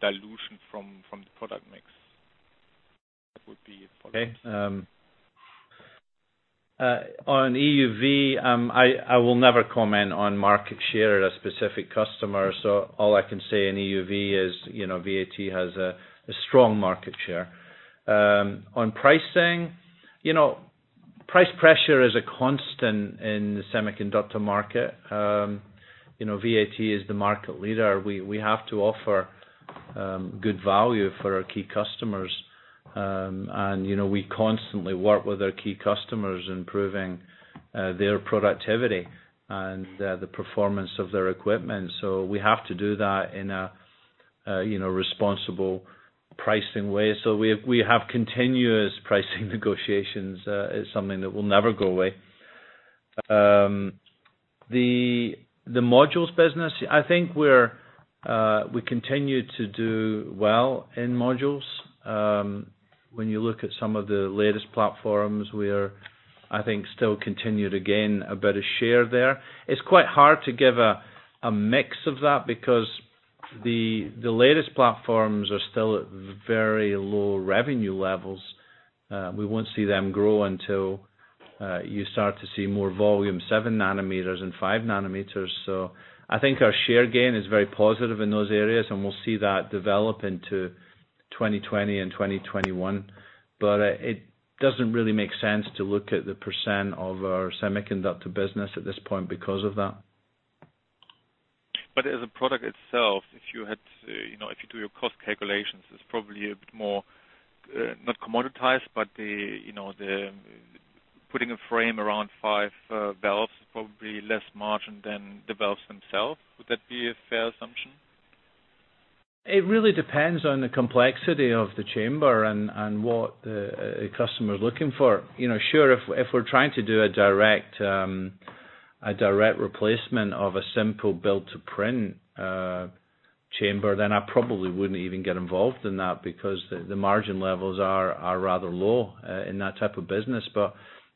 dilution from the product mix? That would be it for me. Okay. On EUV, I will never comment on market share at a specific customer. All I can say in EUV is, VAT has a strong market share. On pricing, price pressure is a constant in the semiconductor market. VAT is the market leader. We have to offer good value for our key customers. We constantly work with our key customers, improving their productivity and the performance of their equipment. We have to do that in a responsible pricing way. We have continuous pricing negotiations. It's something that will never go away. The modules business, I think we continue to do well in modules. When you look at some of the latest platforms, we are, I think, still continued to gain a better share there. It's quite hard to give a mix of that because the latest platforms are still at very low revenue levels. We won't see them grow until you start to see more volume, seven nanometers and five nanometers. I think our share gain is very positive in those areas, and we'll see that develop into 2020 and 2021. It doesn't really make sense to look at the % of our semiconductor business at this point because of that. As a product itself, if you do your cost calculations, it's probably a bit more, not commoditized, but putting a frame around five valves is probably less margin than the valves themselves. Would that be a fair assumption? It really depends on the complexity of the chamber and what the customer is looking for. Sure, if we're trying to do a direct replacement of a simple build-to-print chamber, then I probably wouldn't even get involved in that, because the margin levels are rather low in that type of business.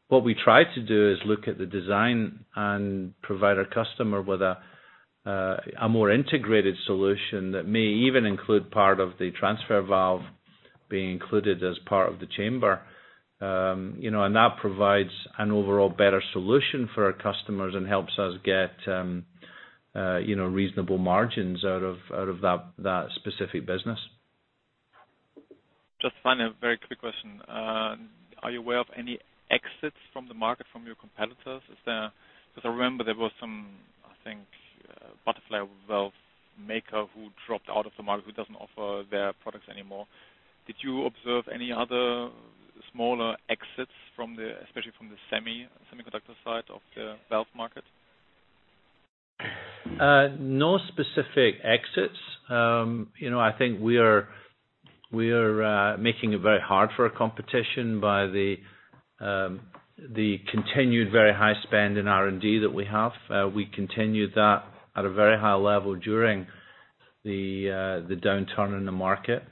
What we try to do is look at the design and provide our customer with a more integrated solution that may even include part of the transfer valve being included as part of the chamber. That provides an overall better solution for our customers and helps us get reasonable margins out of that specific business. Just finally, a very quick question. Are you aware of any exits from the market from your competitors? Because I remember there was some, I think, butterfly valve maker who dropped out of the market, who doesn't offer their products anymore. Did you observe any other smaller exits, especially from the semiconductor side of the valve market? No specific exits. I think we are making it very hard for our competition by the continued very high spend in R&D that we have. We continued that at a very high level during the downturn in the market.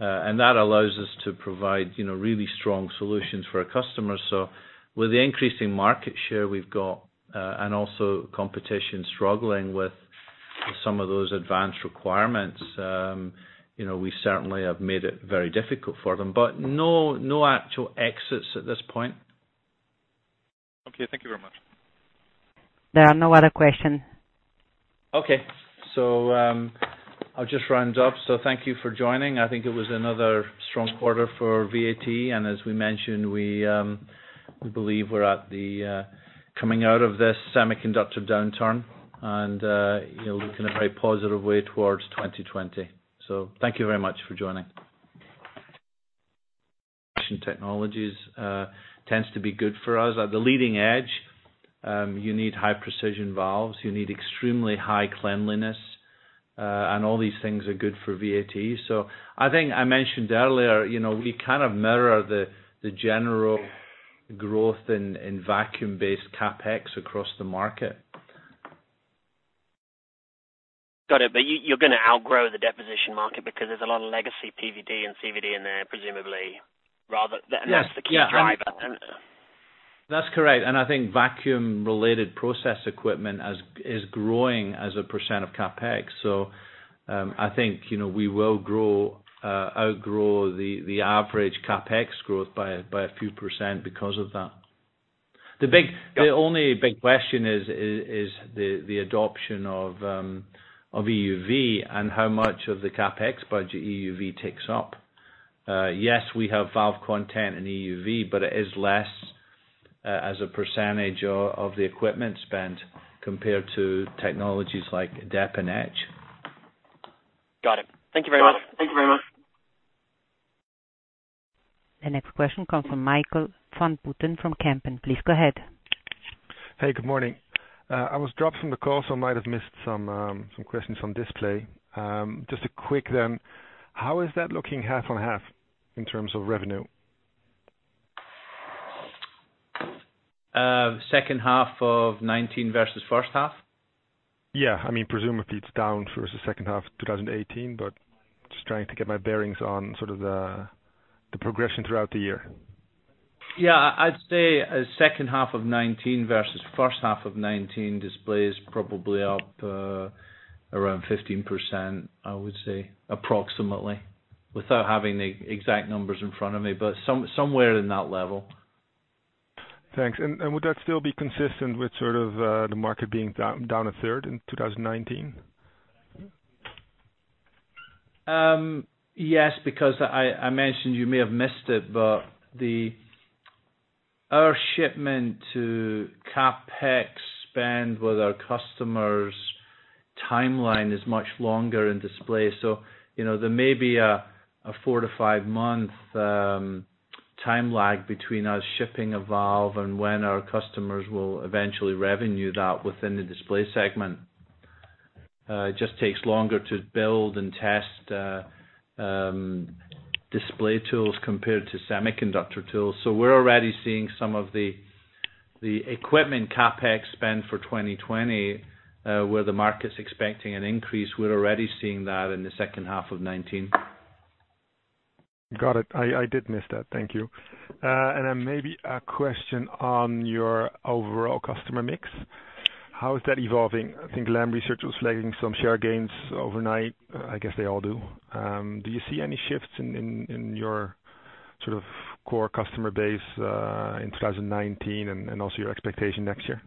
That allows us to provide really strong solutions for our customers. With the increasing market share we've got and also competition struggling with some of those advanced requirements, we certainly have made it very difficult for them. No actual exits at this point. Okay. Thank you very much. There are no other question. Okay. I'll just round up. Thank you for joining. I think it was another strong quarter for VAT, and as we mentioned, we believe we're at the coming out of this semiconductor downturn and looking in a very positive way towards 2020. Thank you very much for joining. technologies tends to be good for us. At the leading edge, you need high-precision valves. You need extremely high cleanliness, and all these things are good for VAT. I think I mentioned earlier, we kind of mirror the general growth in vacuum-based CapEx across the market. Got it. You're going to outgrow the deposition market because there's a lot of legacy PVD and CVD in there, presumably, and that's the key driver. That's correct. I think vacuum-related process equipment is growing as a % of CapEx. I think we will outgrow the average CapEx growth by a few % because of that. Got it. The only big question is the adoption of EUV and how much of the CapEx budget EUV takes up. Yes, we have valve content in EUV, but it is less as a percentage of the equipment spent compared to technologies like Deposition and Etch. Got it. Thank you very much. The next question comes from Nigel van Putten from Kempen. Please go ahead. Hey, good morning. I might have missed some questions on display. Just a quick, how is that looking half on half in terms of revenue? Second half of 2019 versus first half? Yeah. Presumably it's down versus second half of 2018, but just trying to get my bearings on sort of the progression throughout the year. Yeah, I'd say second half of 2019 versus first half of 2019, display is probably up around 15%, I would say, approximately, without having the exact numbers in front of me, but somewhere in that level. Thanks. Would that still be consistent with sort of the market being down a third in 2019? Yes, because I mentioned, you may have missed it, but our shipment to CapEx spend with our customers' timeline is much longer in display. There may be a four to five-month time lag between us shipping a valve and when our customers will eventually revenue that within the display segment. It just takes longer to build and test display tools compared to semiconductor tools. We're already seeing some of the equipment CapEx spend for 2020, where the market's expecting an increase, we're already seeing that in the second half of 2019. Got it. I did miss that. Thank you. Maybe a question on your overall customer mix. How is that evolving? I think Lam Research was flagging some share gains overnight. I guess they all do. Do you see any shifts in your sort of core customer base, in 2019, your expectation next year?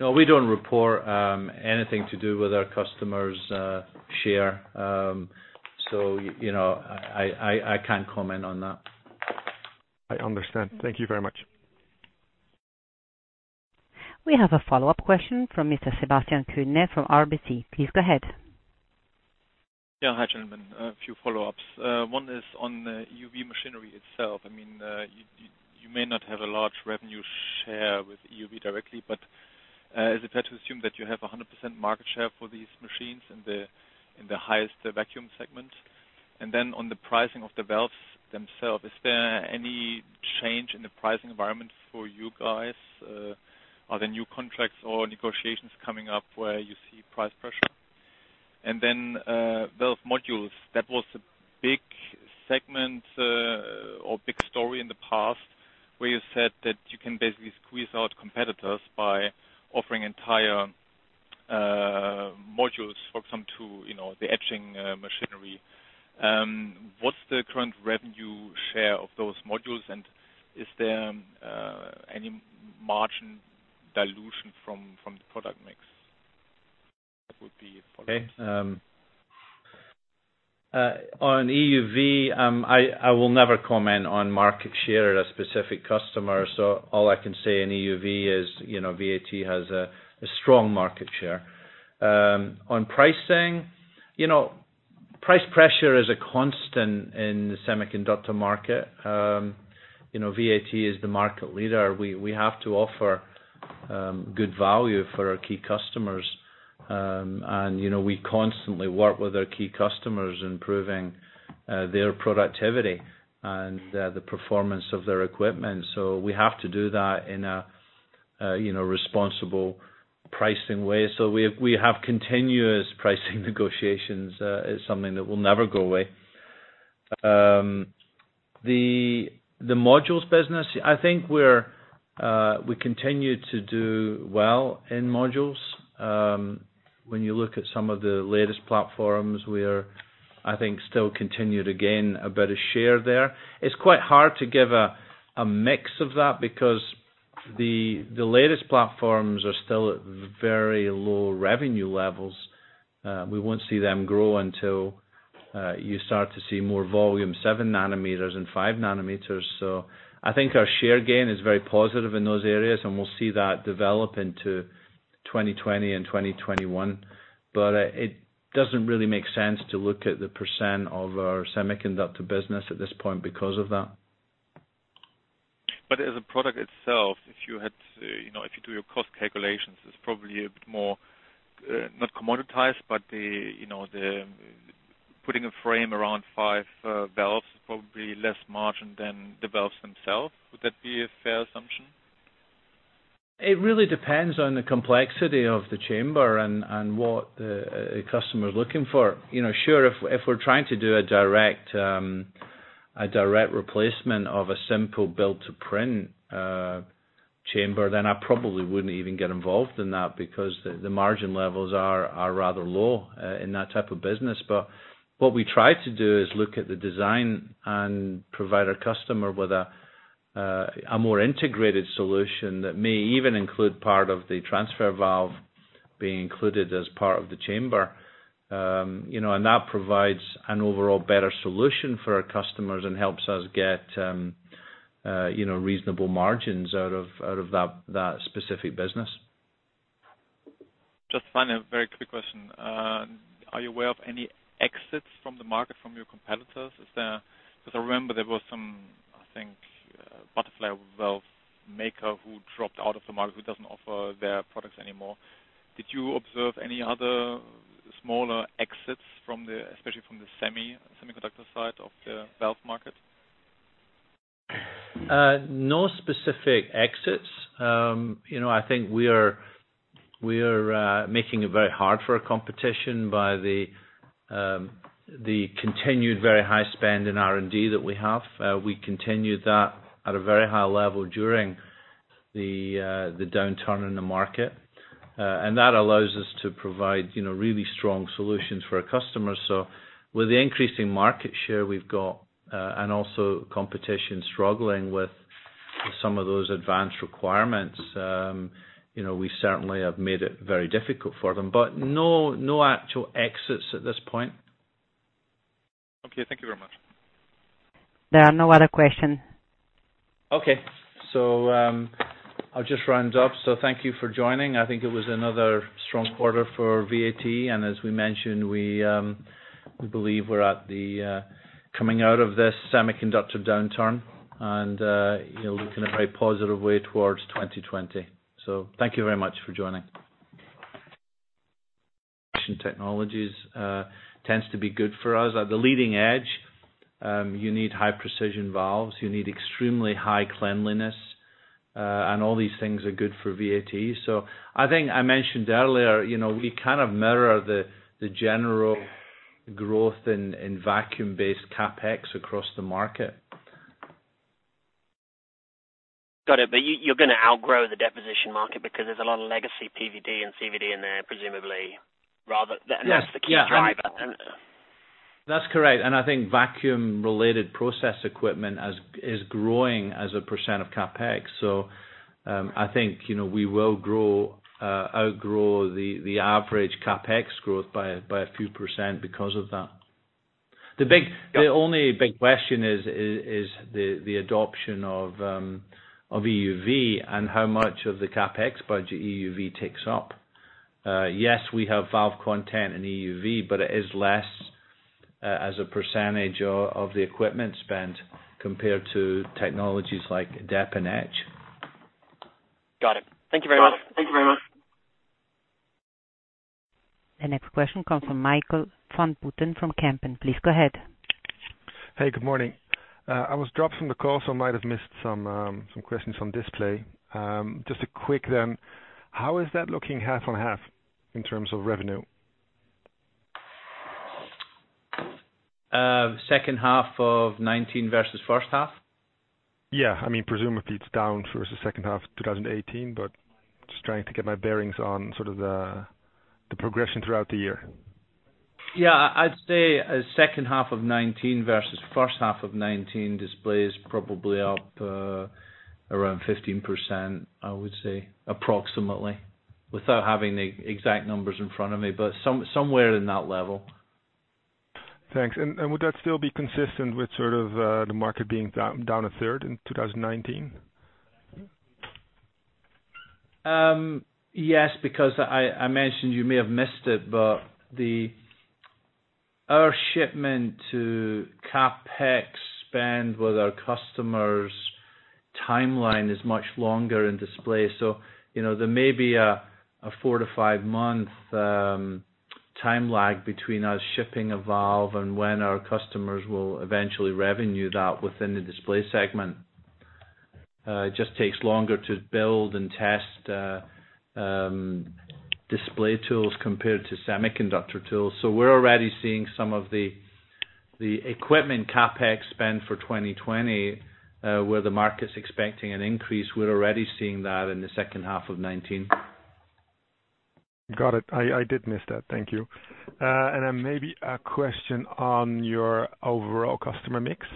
No, we don't report anything to do with our customers' share. I can't comment on that. I understand. Thank you very much. We have a follow-up question from Mr. Sebastian Kuenne from RBC. Please go ahead. Yeah. Hi, gentlemen. A few follow-ups. One is on EUV machinery itself. You may not have a large revenue share with EUV directly, but is it fair to assume that you have 100% market share for these machines in the highest vacuum segment? On the pricing of the valves themselves, is there any change in the pricing environment for you guys? Are there new contracts or negotiations coming up where you see price pressure? Valve modules, that was a big segment, or big story in the past, where you said that you can basically squeeze out competitors by offering entire modules, for example, to the etching machinery. What's the current revenue share of those modules, and is there any margin dilution from the product mix? That would be a follow-up. Okay. On EUV, I will never comment on market share at a specific customer. All I can say in EUV is, VAT has a strong market share. On pricing, price pressure is a constant in the semiconductor market. VAT is the market leader. We have to offer good value for our key customers. We constantly work with our key customers, improving their productivity and the performance of their equipment. We have to do that in a responsible pricing way. We have continuous pricing negotiations. It's something that will never go away. The modules business, I think we continue to do well in modules. When you look at some of the latest platforms, we are, I think, still continued again a better share there. It's quite hard to give a mix of that because the latest platforms are still at very low revenue levels. We won't see them grow until you start to see more volume, seven nanometers and five nanometers. I think our share gain is very positive in those areas, and we'll see that develop into 2020 and 2021. It doesn't really make sense to look at the % of our semiconductor business at this point because of that. As a product itself, if you do your cost calculations, it's probably a bit more, not commoditized, but putting a frame around five valves is probably less margin than the valves themselves. Would that be a fair assumption? It really depends on the complexity of the chamber and what the customer is looking for. Sure, if we're trying to do a direct replacement of a simple build-to-print chamber, then I probably wouldn't even get involved in that because the margin levels are rather low in that type of business. What we try to do is look at the design and provide our customer with a more integrated solution that may even include part of the transfer valve being included as part of the chamber. That provides an overall better solution for our customers and helps us get reasonable margins out of that specific business. Just final, very quick question. Are you aware of any exits from the market from your competitors? I remember there was some, I think, butterfly valve maker who dropped out of the market who doesn't offer their products anymore. Did you observe any other smaller exits, especially from the semiconductor side of the valve market? No specific exits. I think we are making it very hard for our competition by the continued very high spend in R&D that we have. We continued that at a very high level during the downturn in the market. That allows us to provide really strong solutions for our customers. With the increasing market share we've got and also competition struggling with some of those advanced requirements, we certainly have made it very difficult for them. No actual exits at this point. Okay. Thank you very much. There are no other question. Okay. I'll just round up. Thank you for joining. I think it was another strong quarter for VAT, and as we mentioned, we believe we're at the coming out of this semiconductor downturn and looking in a very positive way towards 2020. Thank you very much for joining. Precision technologies tends to be good for us. At the leading edge, you need high precision valves. You need extremely high cleanliness, and all these things are good for VAT. I think I mentioned earlier, we kind of mirror the general growth in vacuum-based CapEx across the market. Got it. You're going to outgrow the deposition market because there's a lot of legacy PVD and CVD in there, presumably, and that's the key driver, isn't it? That's correct. I think vacuum-related process equipment is growing as a % of CapEx. I think, we will outgrow the average CapEx growth by a few % because of that. The only big question is the adoption of EUV and how much of the CapEx budget EUV takes up. Yes, we have valve content in EUV, but it is less as a % of the equipment spent compared to technologies like Deposition and Etch. Got it. Thank you very much. The next question comes from Nigel van Putten from Kempen. Please go ahead. Hey, good morning. I might have missed some questions on display. Just a quick, how is that looking half on half in terms of revenue? Second half of 2019 versus first half? Yeah. Presumably it's down versus second half 2018, but just trying to get my bearings on sort of the progression throughout the year. Yeah, I'd say second half of 2019 versus first half of 2019, display is probably up around 15%, I would say, approximately, without having the exact numbers in front of me, but somewhere in that level. Thanks. Would that still be consistent with sort of the market being down a third in 2019? Yes, because I mentioned, you may have missed it, our shipment to CapEx spend with our customers' timeline is much longer in display. There may be a four to five-month time lag between us shipping a valve and when our customers will eventually revenue that within the display segment. It just takes longer to build and test display tools compared to semiconductor tools. We're already seeing some of the equipment CapEx spend for 2020, where the market's expecting an increase. We're already seeing that in the second half of 2019. Got it. I did miss that. Thank you. Maybe a question on your overall customer mix.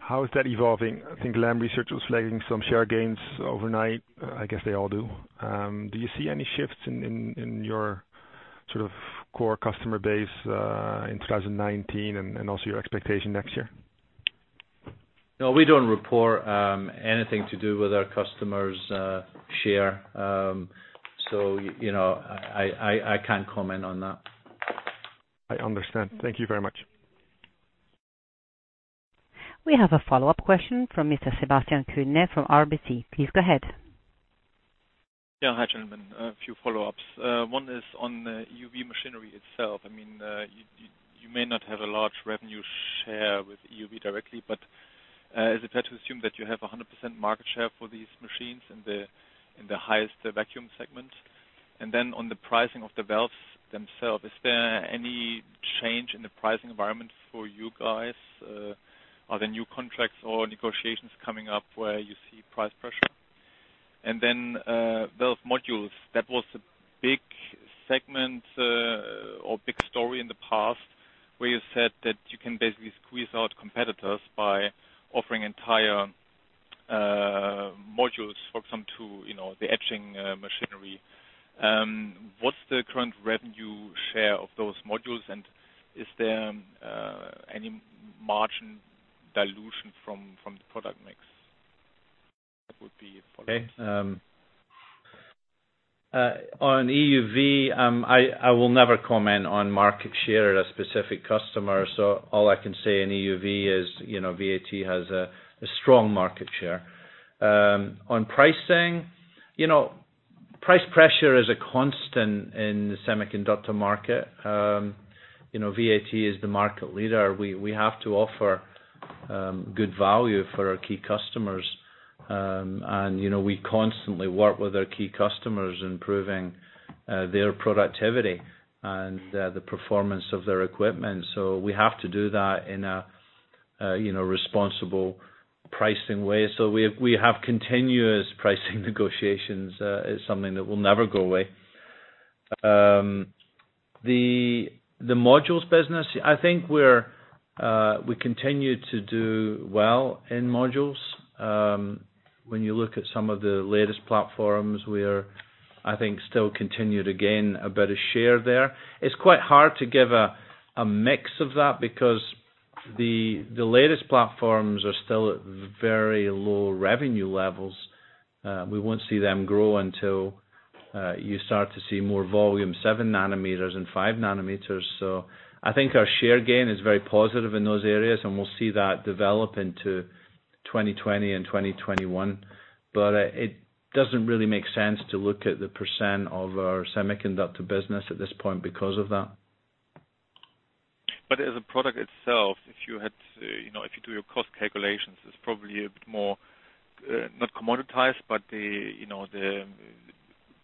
How is that evolving? I think Lam Research was flagging some share gains overnight. I guess they all do. Do you see any shifts in your sort of core customer base, in 2019 and also your expectation next year? No, we don't report anything to do with our customers' share. I can't comment on that. I understand. Thank you very much. We have a follow-up question from Mr. Sebastian Kuenne from RBC. Please go ahead. Yeah. Hi, gentlemen. A few follow-ups. One is on EUV machinery itself. You may not have a large revenue share with EUV directly, but is it fair to assume that you have 100% market share for these machines in the highest vacuum segment? On the pricing of the valves themselves, is there any change in the pricing environment for you guys? Are there new contracts or negotiations coming up where you see price pressure? Valve modules, that was a big segment or big story in the past where you said that you can basically squeeze out competitors by offering entire modules for some to the etching machinery. What's the current revenue share of those modules, and is there any margin dilution from the product mix? That would be it for me. Okay. On EUV, I will never comment on market share at a specific customer. All I can say in EUV is, VAT has a strong market share. On pricing, price pressure is a constant in the semiconductor market. VAT is the market leader. We have to offer good value for our key customers. We constantly work with our key customers, improving their productivity and the performance of their equipment. We have to do that in a responsible pricing way. We have continuous pricing negotiations, it's something that will never go away. The modules business, I think we continue to do well in modules. When you look at some of the latest platforms, we are, I think, still continued to gain a better share there. It's quite hard to give a mix of that because the latest platforms are still at very low revenue levels. We won't see them grow until you start to see more volume, seven nanometers and five nanometers. I think our share gain is very positive in those areas, and we'll see that develop into 2020 and 2021. It doesn't really make sense to look at the % of our semiconductor business at this point because of that. As a product itself, if you do your cost calculations, it's probably a bit more, not commoditized, but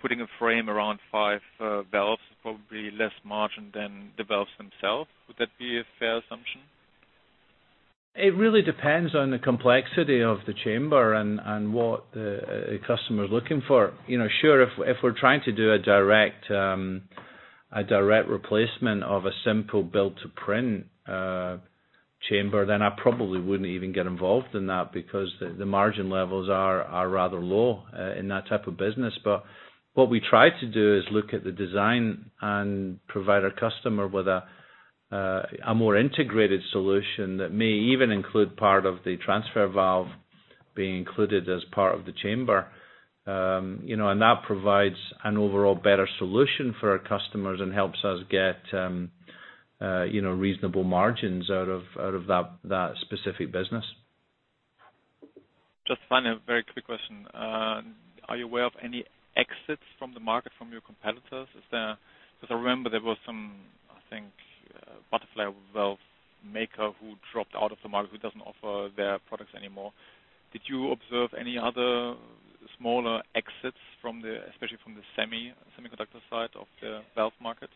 putting a frame around five valves is probably less margin than the valves themselves. Would that be a fair assumption? It really depends on the complexity of the chamber and what the customer is looking for. Sure, if we're trying to do a direct replacement of a simple build-to-print chamber, then I probably wouldn't even get involved in that, because the margin levels are rather low in that type of business. What we try to do is look at the design and provide our customer with a more integrated solution that may even include part of the transfer valve being included as part of the chamber. That provides an overall better solution for our customers and helps us get reasonable margins out of that specific business. Just finally, a very quick question. Are you aware of any exits from the market from your competitors? I remember there was some, I think, butterfly valve maker who dropped out of the market who doesn't offer their products anymore. Did you observe any other smaller exits, especially from the semiconductor side of the valve market?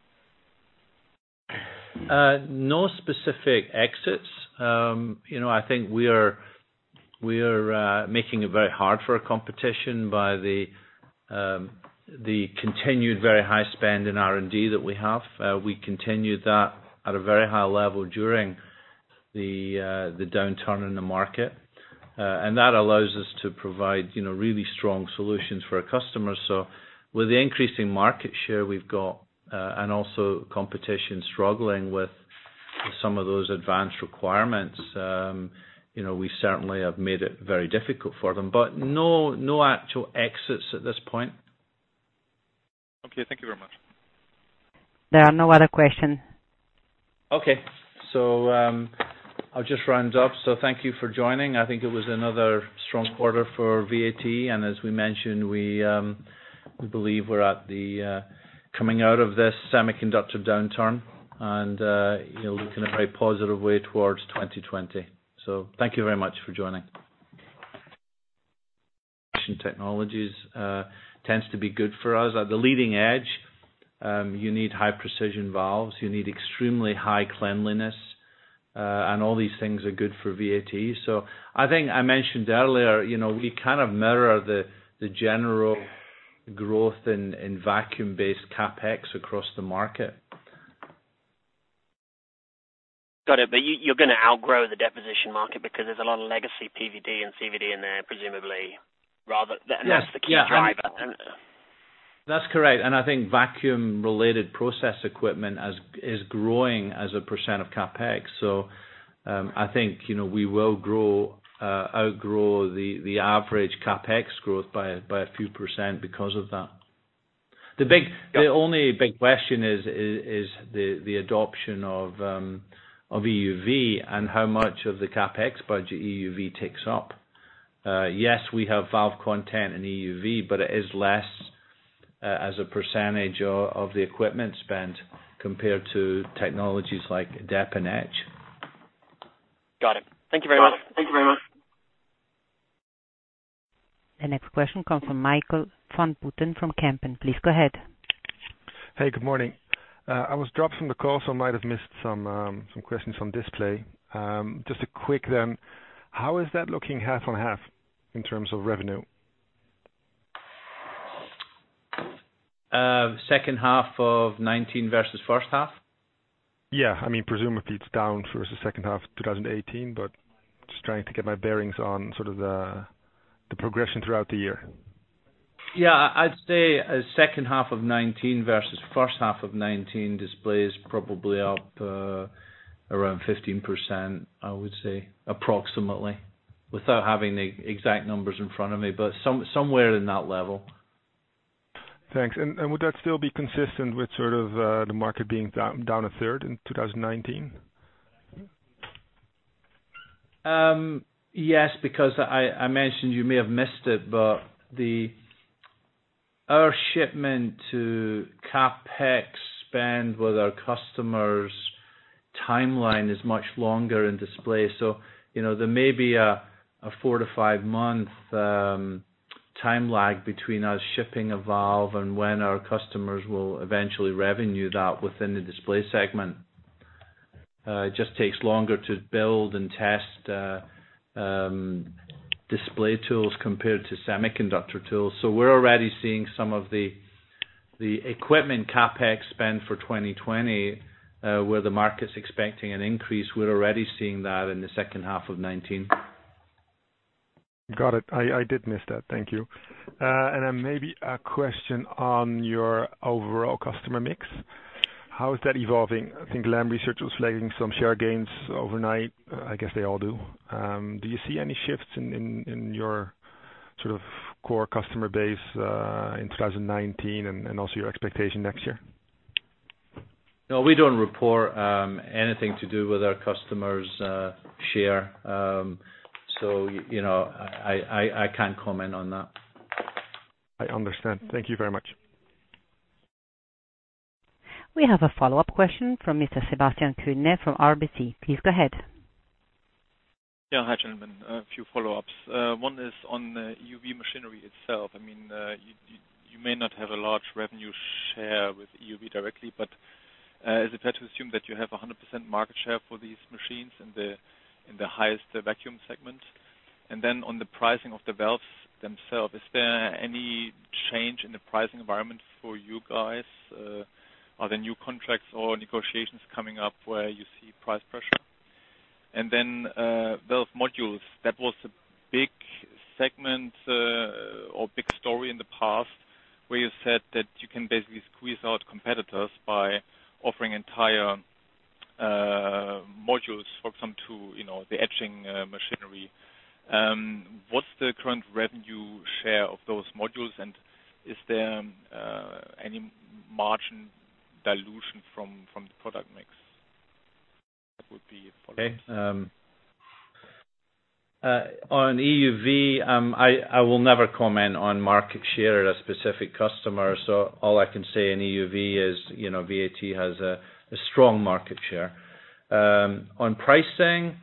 No specific exits. I think we are making it very hard for our competition by the continued very high spend in R&D that we have. We continued that at a very high level during the downturn in the market. That allows us to provide really strong solutions for our customers. With the increasing market share we've got and also competition struggling with some of those advanced requirements, we certainly have made it very difficult for them. No actual exits at this point. Okay. Thank you very much. There are no other question. Okay. I'll just round up. Thank you for joining. I think it was another strong quarter for VAT. As we mentioned, we believe we're at the coming out of this semiconductor downturn and looking in a very positive way towards 2020. Thank you very much for joining. Technologies tends to be good for us. At the leading edge, you need high precision valves, you need extremely high cleanliness, and all these things are good for VAT. I think I mentioned earlier, we kind of mirror the general growth in vacuum-based CapEx across the market. Got it. You're going to outgrow the deposition market because there's a lot of legacy PVD and CVD in there, presumably, and that's the key driver. That's correct. I think vacuum-related process equipment is growing as a % of CapEx. I think we will outgrow the average CapEx growth by a few % because of that. The only big question is the adoption of EUV and how much of the CapEx budget EUV takes up. We have valve content in EUV, but it is less as a % of the equipment spent compared to technologies like Deposition and Etch. Got it. Thank you very much. The next question comes from Nigel van Putten from Kempen. Please go ahead. Hey, good morning. I might have missed some questions on display. Just a quick, how is that looking half on half in terms of revenue? Second half of 2019 versus first half? Yeah. Presumably it's down versus second half of 2018, but just trying to get my bearings on sort of the progression throughout the year. Yeah. I'd say second half of 2019 versus first half of 2019, display is probably up around 15%, I would say, approximately, without having the exact numbers in front of me, but somewhere in that level. Thanks. Would that still be consistent with sort of the market being down a third in 2019? Yes, because I mentioned, you may have missed it, but Our shipment to CapEx spend with our customers timeline is much longer in display. There may be a four to five-month time lag between us shipping a valve and when our customers will eventually revenue that within the display segment. It just takes longer to build and test display tools compared to semiconductor tools. We're already seeing some of the equipment CapEx spend for 2020, where the market's expecting an increase, we're already seeing that in the second half of 2019. Got it. I did miss that. Thank you. Then maybe a question on your overall customer mix. How is that evolving? I think Lam Research was flagging some share gains overnight. I guess they all do. Do you see any shifts in your core customer base, in 2019, and also your expectation next year? No, we don't report anything to do with our customers' share. I can't comment on that. I understand. Thank you very much. We have a follow-up question from Mr. Sebastian Kuenne from RBC. Please go ahead. Yeah. Hi, gentlemen. A few follow-ups. One is on EUV machinery itself. You may not have a large revenue share with EUV directly, but is it fair to assume that you have 100% market share for these machines in the highest vacuum segment? On the pricing of the valves themselves, is there any change in the pricing environment for you guys? Are there new contracts or negotiations coming up where you see price pressure? Valve modules, that was a big segment or big story in the past, where you said that you can basically squeeze out competitors by offering entire modules, for example, to the etching machinery. What's the current revenue share of those modules, and is there any margin dilution from the product mix? That would be a follow-up. Okay. On EUV, I will never comment on market share at a specific customer. All I can say in EUV is, VAT has a strong market share. On pricing,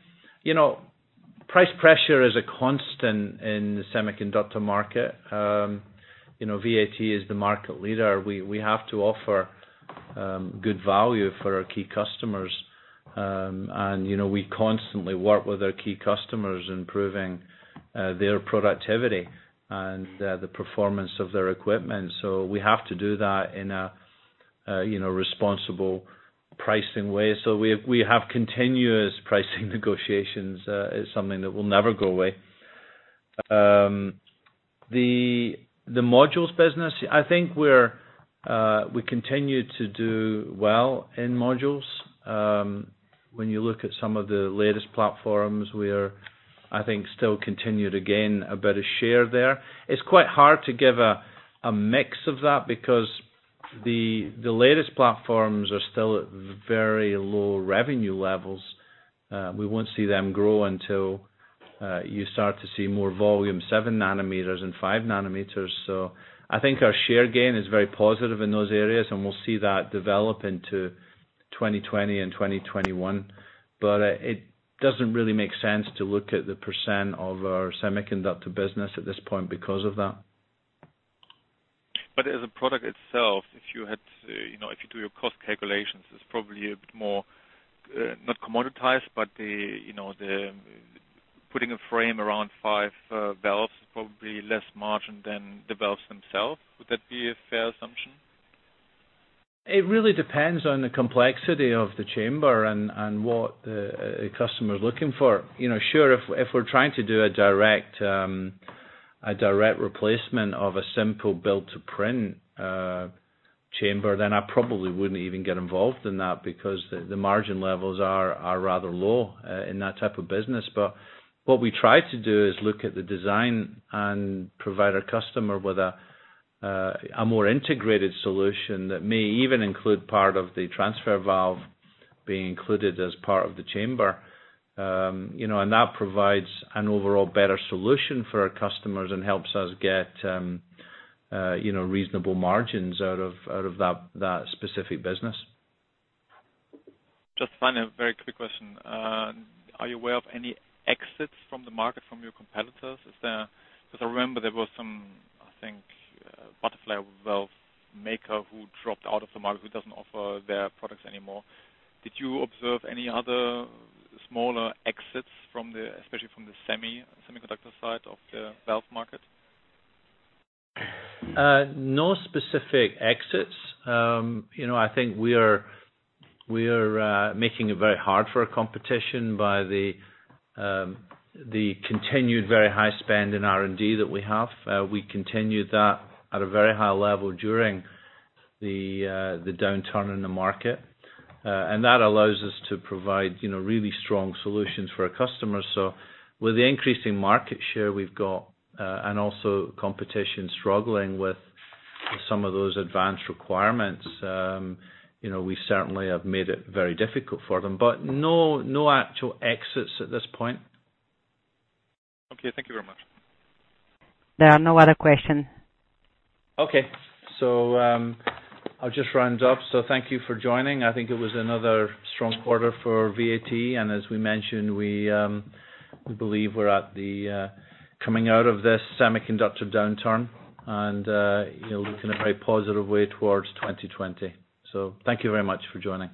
price pressure is a constant in the semiconductor market. VAT is the market leader. We have to offer good value for our key customers. We constantly work with our key customers, improving their productivity and the performance of their equipment. We have to do that in a responsible pricing way. We have continuous pricing negotiations. It's something that will never go away. The modules business, I think we continue to do well in modules. When you look at some of the latest platforms, we are, I think, still continued to gain a better share there. It's quite hard to give a mix of that because the latest platforms are still at very low revenue levels. We won't see them grow until you start to see more volume, seven nanometers and five nanometers. I think our share gain is very positive in those areas, and we'll see that develop into 2020 and 2021. It doesn't really make sense to look at the % of our semiconductor business at this point because of that. As a product itself, if you do your cost calculations, it's probably a bit more, not commoditized, but putting a frame around five valves is probably less margin than the valves themselves. Would that be a fair assumption? It really depends on the complexity of the chamber and what the customer is looking for. Sure, if we're trying to do a direct replacement of a simple build to print chamber, then I probably wouldn't even get involved in that because the margin levels are rather low in that type of business. What we try to do is look at the design and provide our customer with a more integrated solution that may even include part of the transfer valve being included as part of the chamber. That provides an overall better solution for our customers and helps us get reasonable margins out of that specific business. Just final, very quick question. Are you aware of any exits from the market from your competitors? I remember there was some, I think, butterfly valve maker who dropped out of the market who doesn't offer their products anymore. Did you observe any other smaller exits, especially from the semiconductor side of the valve market? No specific exits. I think we are making it very hard for our competition by the continued very high spend in R&D that we have. We continued that at a very high level during the downturn in the market. That allows us to provide really strong solutions for our customers. With the increasing market share we've got, and also competition struggling with some of those advanced requirements, we certainly have made it very difficult for them. No actual exits at this point. Okay. Thank you very much. There are no other question. Okay. I'll just round up. Thank you for joining. I think it was another strong quarter for VAT. As we mentioned, we believe we're at the coming out of this semiconductor downturn, and looking in a very positive way towards 2020. Thank you very much for joining.